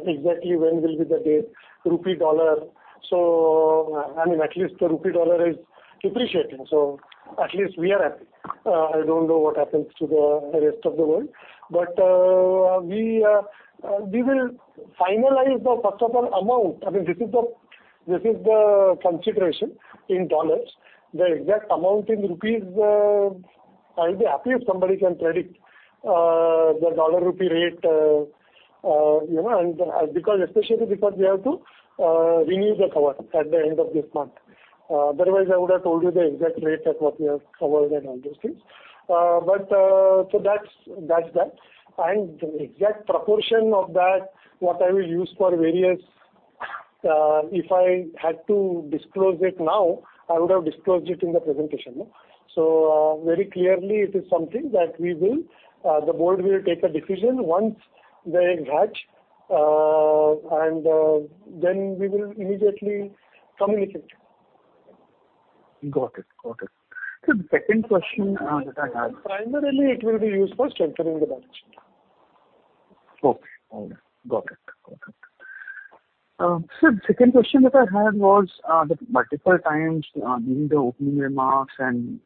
exactly when will be the date, rupee dollar. I mean, at least the rupee dollar is depreciating, so at least we are happy. I don't know what happens to the rest of the world. We will finalize, first of all, the amount. I mean, this is the consideration in dollars. The exact amount in rupees, I'll be happy if somebody can predict the dollar rupee rate, you know, and because, especially because we have to renew the cover at the end of this month. Otherwise, I would have told you the exact rate at what we have covered and all those things. But, so that's that. The exact proportion of that, what I will use for various, if I had to disclose it now, I would have disclosed it in the presentation, no? Very clearly it is something that we will, the board will take a decision once they have, then we will immediately communicate. Got it. Second question that I had. Primarily it will be used for strengthening the balance sheet. Okay. All right. Got it. Sir, second question that I had was, that multiple times, during the opening remarks and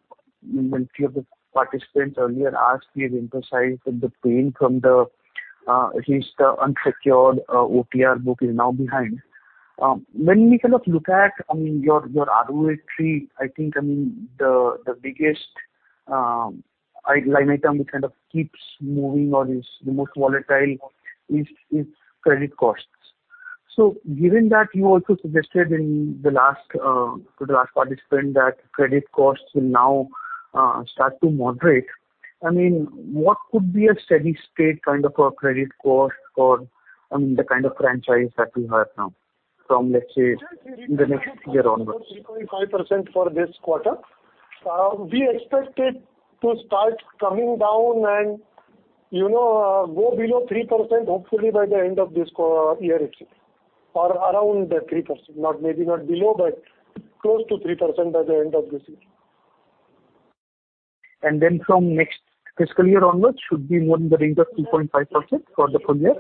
when few of the participants earlier asked, we have emphasized that the pain from the, at least the unsecured, OTR book is now behind. When we kind of look at, I mean, your ROE tree, I think, I mean, the biggest line item, which kind of keeps moving or is the most volatile is credit costs. Given that you also suggested to the last participant that credit costs will now start to moderate, I mean, what could be a steady state kind of a credit cost for, I mean, the kind of franchise that we have now from, let's say, in the next year onwards? Sir, we reported 4.5% for this quarter. We expect it to start coming down and, you know, go below 3% hopefully by the end of this year et cetera, or around that 3%, not, maybe not below but close to 3% by the end of this year. From next fiscal year onwards should be more in the range of 2.5% for the full year?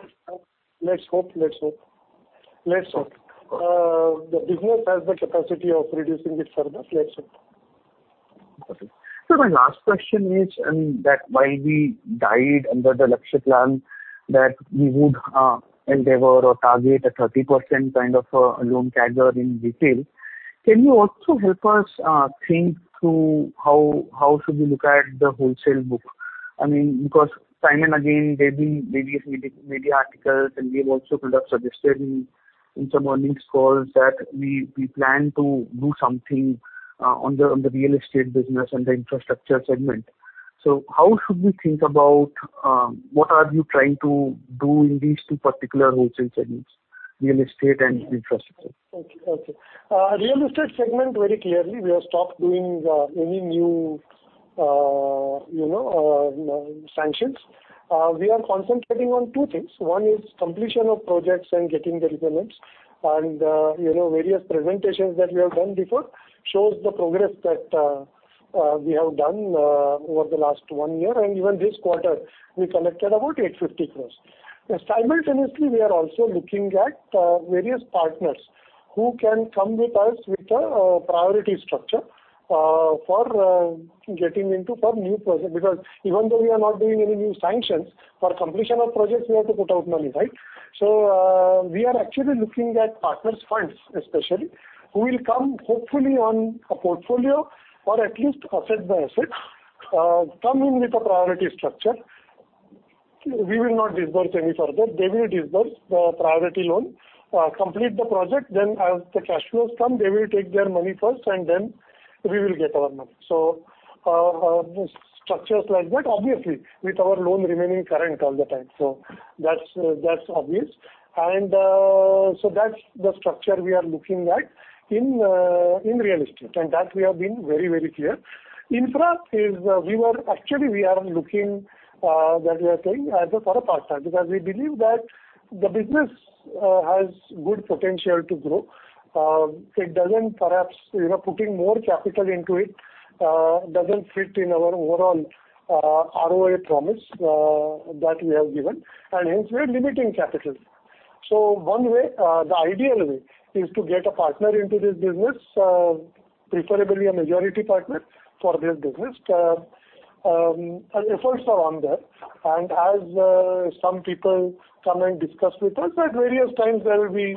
Let's hope. The business has the capacity of reducing it further. Let's hope. Okay. My last question is that while we guided under the Lakshya plan that we would endeavor or target a 30% kind of a loan CAGR in retail, can you also help us think through how we should look at the wholesale book? I mean, because time and again, there's been various media articles, and we have also kind of suggested in some earnings calls that we plan to do something on the real estate business and the infrastructure segment. How should we think about what you are trying to do in these two particular wholesale segments, real estate and infrastructure? Real estate segment very clearly we have stopped doing any new sanctions. We are concentrating on two things. One is completion of projects and getting the repayments. You know, various presentations that we have done before shows the progress that we have done over the last one year, and even this quarter we collected about 850 crore. Simultaneously, we are also looking at various partners who can come with us with a priority structure for getting into for new projects. Because even though we are not doing any new sanctions, for completion of projects we have to put out money, right? We are actually looking at partners' funds especially, who will come hopefully on a portfolio or at least asset by asset come in with a priority structure. We will not disburse any further. They will disburse the priority loan, complete the project, then as the cash flows come, they will take their money first, and then we will get our money. Structures like that, obviously with our loan remaining current all the time. That's obvious. That's the structure we are looking at in real estate, and that we have been very, very clear. Infra is we are looking that we are saying for a partner, because we believe that the business has good potential to grow. It doesn't perhaps putting more capital into it doesn't fit in our overall ROA promise that we have given, and hence we're limiting capital. One way, the ideal way is to get a partner into this business, preferably a majority partner for this business. Efforts are on there, and as some people come and discuss with us at various times, there will be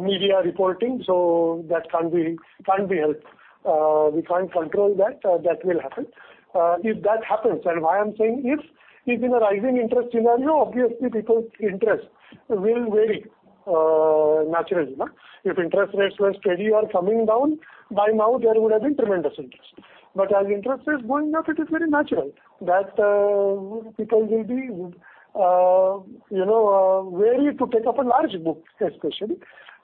media reporting, so that can't be helped. We can't control that. That will happen. If that happens, and why I'm saying if in a rising interest scenario, obviously people's interest will vary, naturally no. If interest rates were steady or coming down, by now there would have been tremendous interest. As interest rates going up, it is very natural that people will be, you know, wary to take up a large book especially.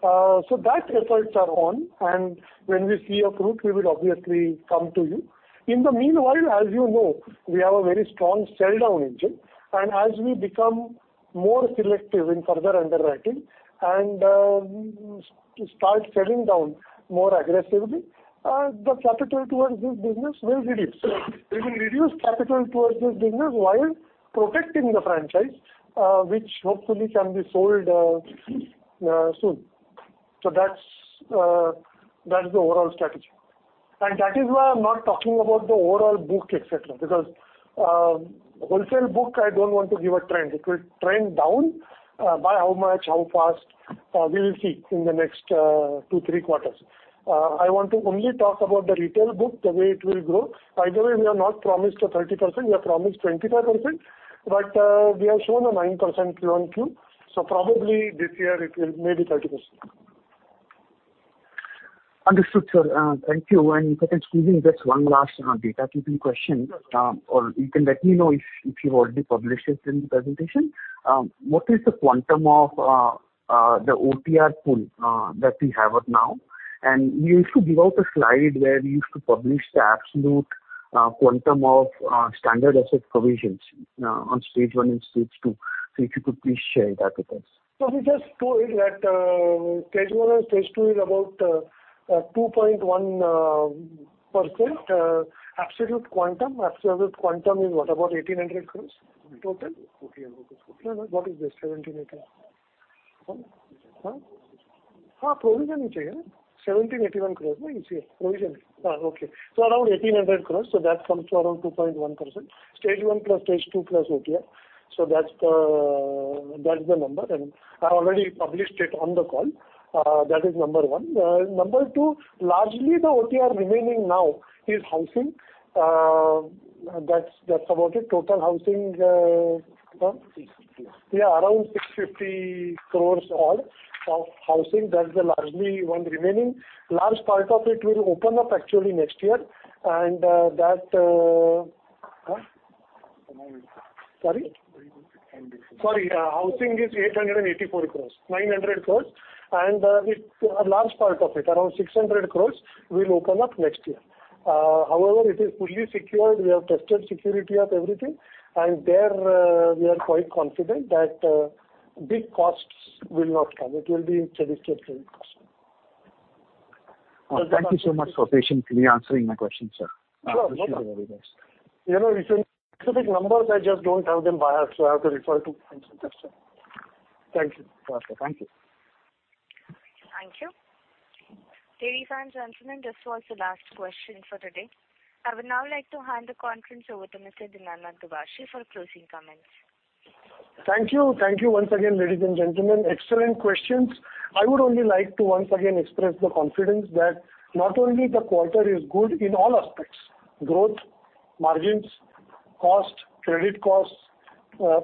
That efforts are on, and when we see a fruit, we will obviously come to you. In the meanwhile, as you know, we have a very strong sell down engine, and as we become more selective in further underwriting and start selling down more aggressively, the capital towards this business will reduce. We will reduce capital towards this business while protecting the franchise, which hopefully can be sold soon. That's the overall strategy. That is why I'm not talking about the overall book et cetera, because wholesale book, I don't want to give a trend. It will trend down. By how much, how fast, we will see in the next two, three quarters. I want to only talk about the retail book, the way it will grow. By the way, we have not promised a 30%. We have promised 25%, but we have shown a 9% Q-on-Q. Probably this year it will maybe be 30%. Understood, sir. Thank you. If I can squeeze in just one last housekeeping question. Yes. You can let me know if you've already published it in the presentation. What is the quantum of the OTR pool that we have right now? You used to give out a slide where you used to publish the absolute quantum of standard asset provisions on stage one and stage two. If you could please share that with us. We just told that stage one and stage two is about 2.1%. Absolute quantum is what? About 1,800 crore in total. OTR book is INR 1,800. No, no. What is this? 17, 18. Huh? Provision you say, huh? 1,781 crores, no? You say. Provision. Okay. Around 1,800 crores, that comes to around 2.1%. Stage one plus stage two plus OTR. That's the number, and I've already published it on the call. That is number one. Number two, largely the OTR remaining now is housing. That's about it. Total housing. What? 650. Yeah, around 650 crores all of housing. That's the largest one remaining. Large part of it will open up actually next year. Housing is 884 crores, 900 crores, and it's a large part of it, around 600 crores will open up next year. However, it is fully secured. We have taken security of everything, and therefore we are quite confident that big loss will not come. It will be cost. Thank you so much for patiently answering my question, sir. Sure. I appreciate your efforts. You know, it's specific numbers. I just don't have them by heart, so I have to refer to. Thank you. Okay, thank you. Thank you. Ladies and gentlemen, this was the last question for today. I would now like to hand the conference over to Mr. Dinanath Dubhashi for closing comments. Thank you. Thank you once again, ladies and gentlemen. Excellent questions. I would only like to once again express the confidence that not only the quarter is good in all aspects, growth, margins, cost, credit costs,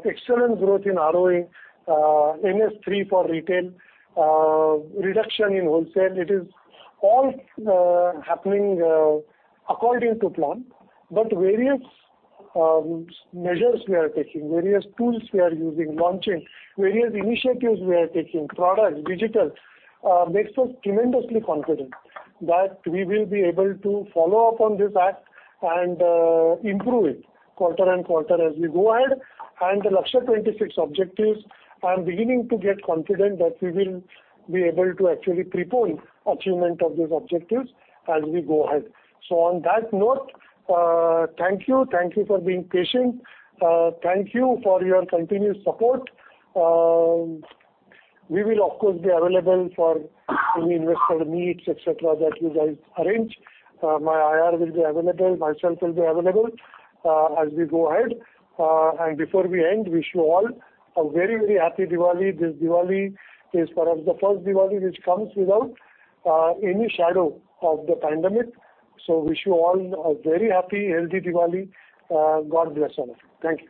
excellent growth in ROA, NS3 for retail, reduction in wholesale. It is all happening according to plan. Various measures we are taking, various tools we are using, launching, various initiatives we are taking, products, digital, makes us tremendously confident that we will be able to follow up on this act and improve it quarter and quarter as we go ahead. Lakshya 2026 objectives, I'm beginning to get confident that we will be able to actually prepone achievement of those objectives as we go ahead. On that note, thank you. Thank you for being patient. Thank you for your continued support. We will of course be available for any investor meets, et cetera, that you guys arrange. My IR will be available, myself will be available, as we go ahead. Before we end, wish you all a very, very happy Diwali. This Diwali is perhaps the first Diwali which comes without any shadow of the pandemic. Wish you all a very happy, healthy Diwali. God bless all. Thank you.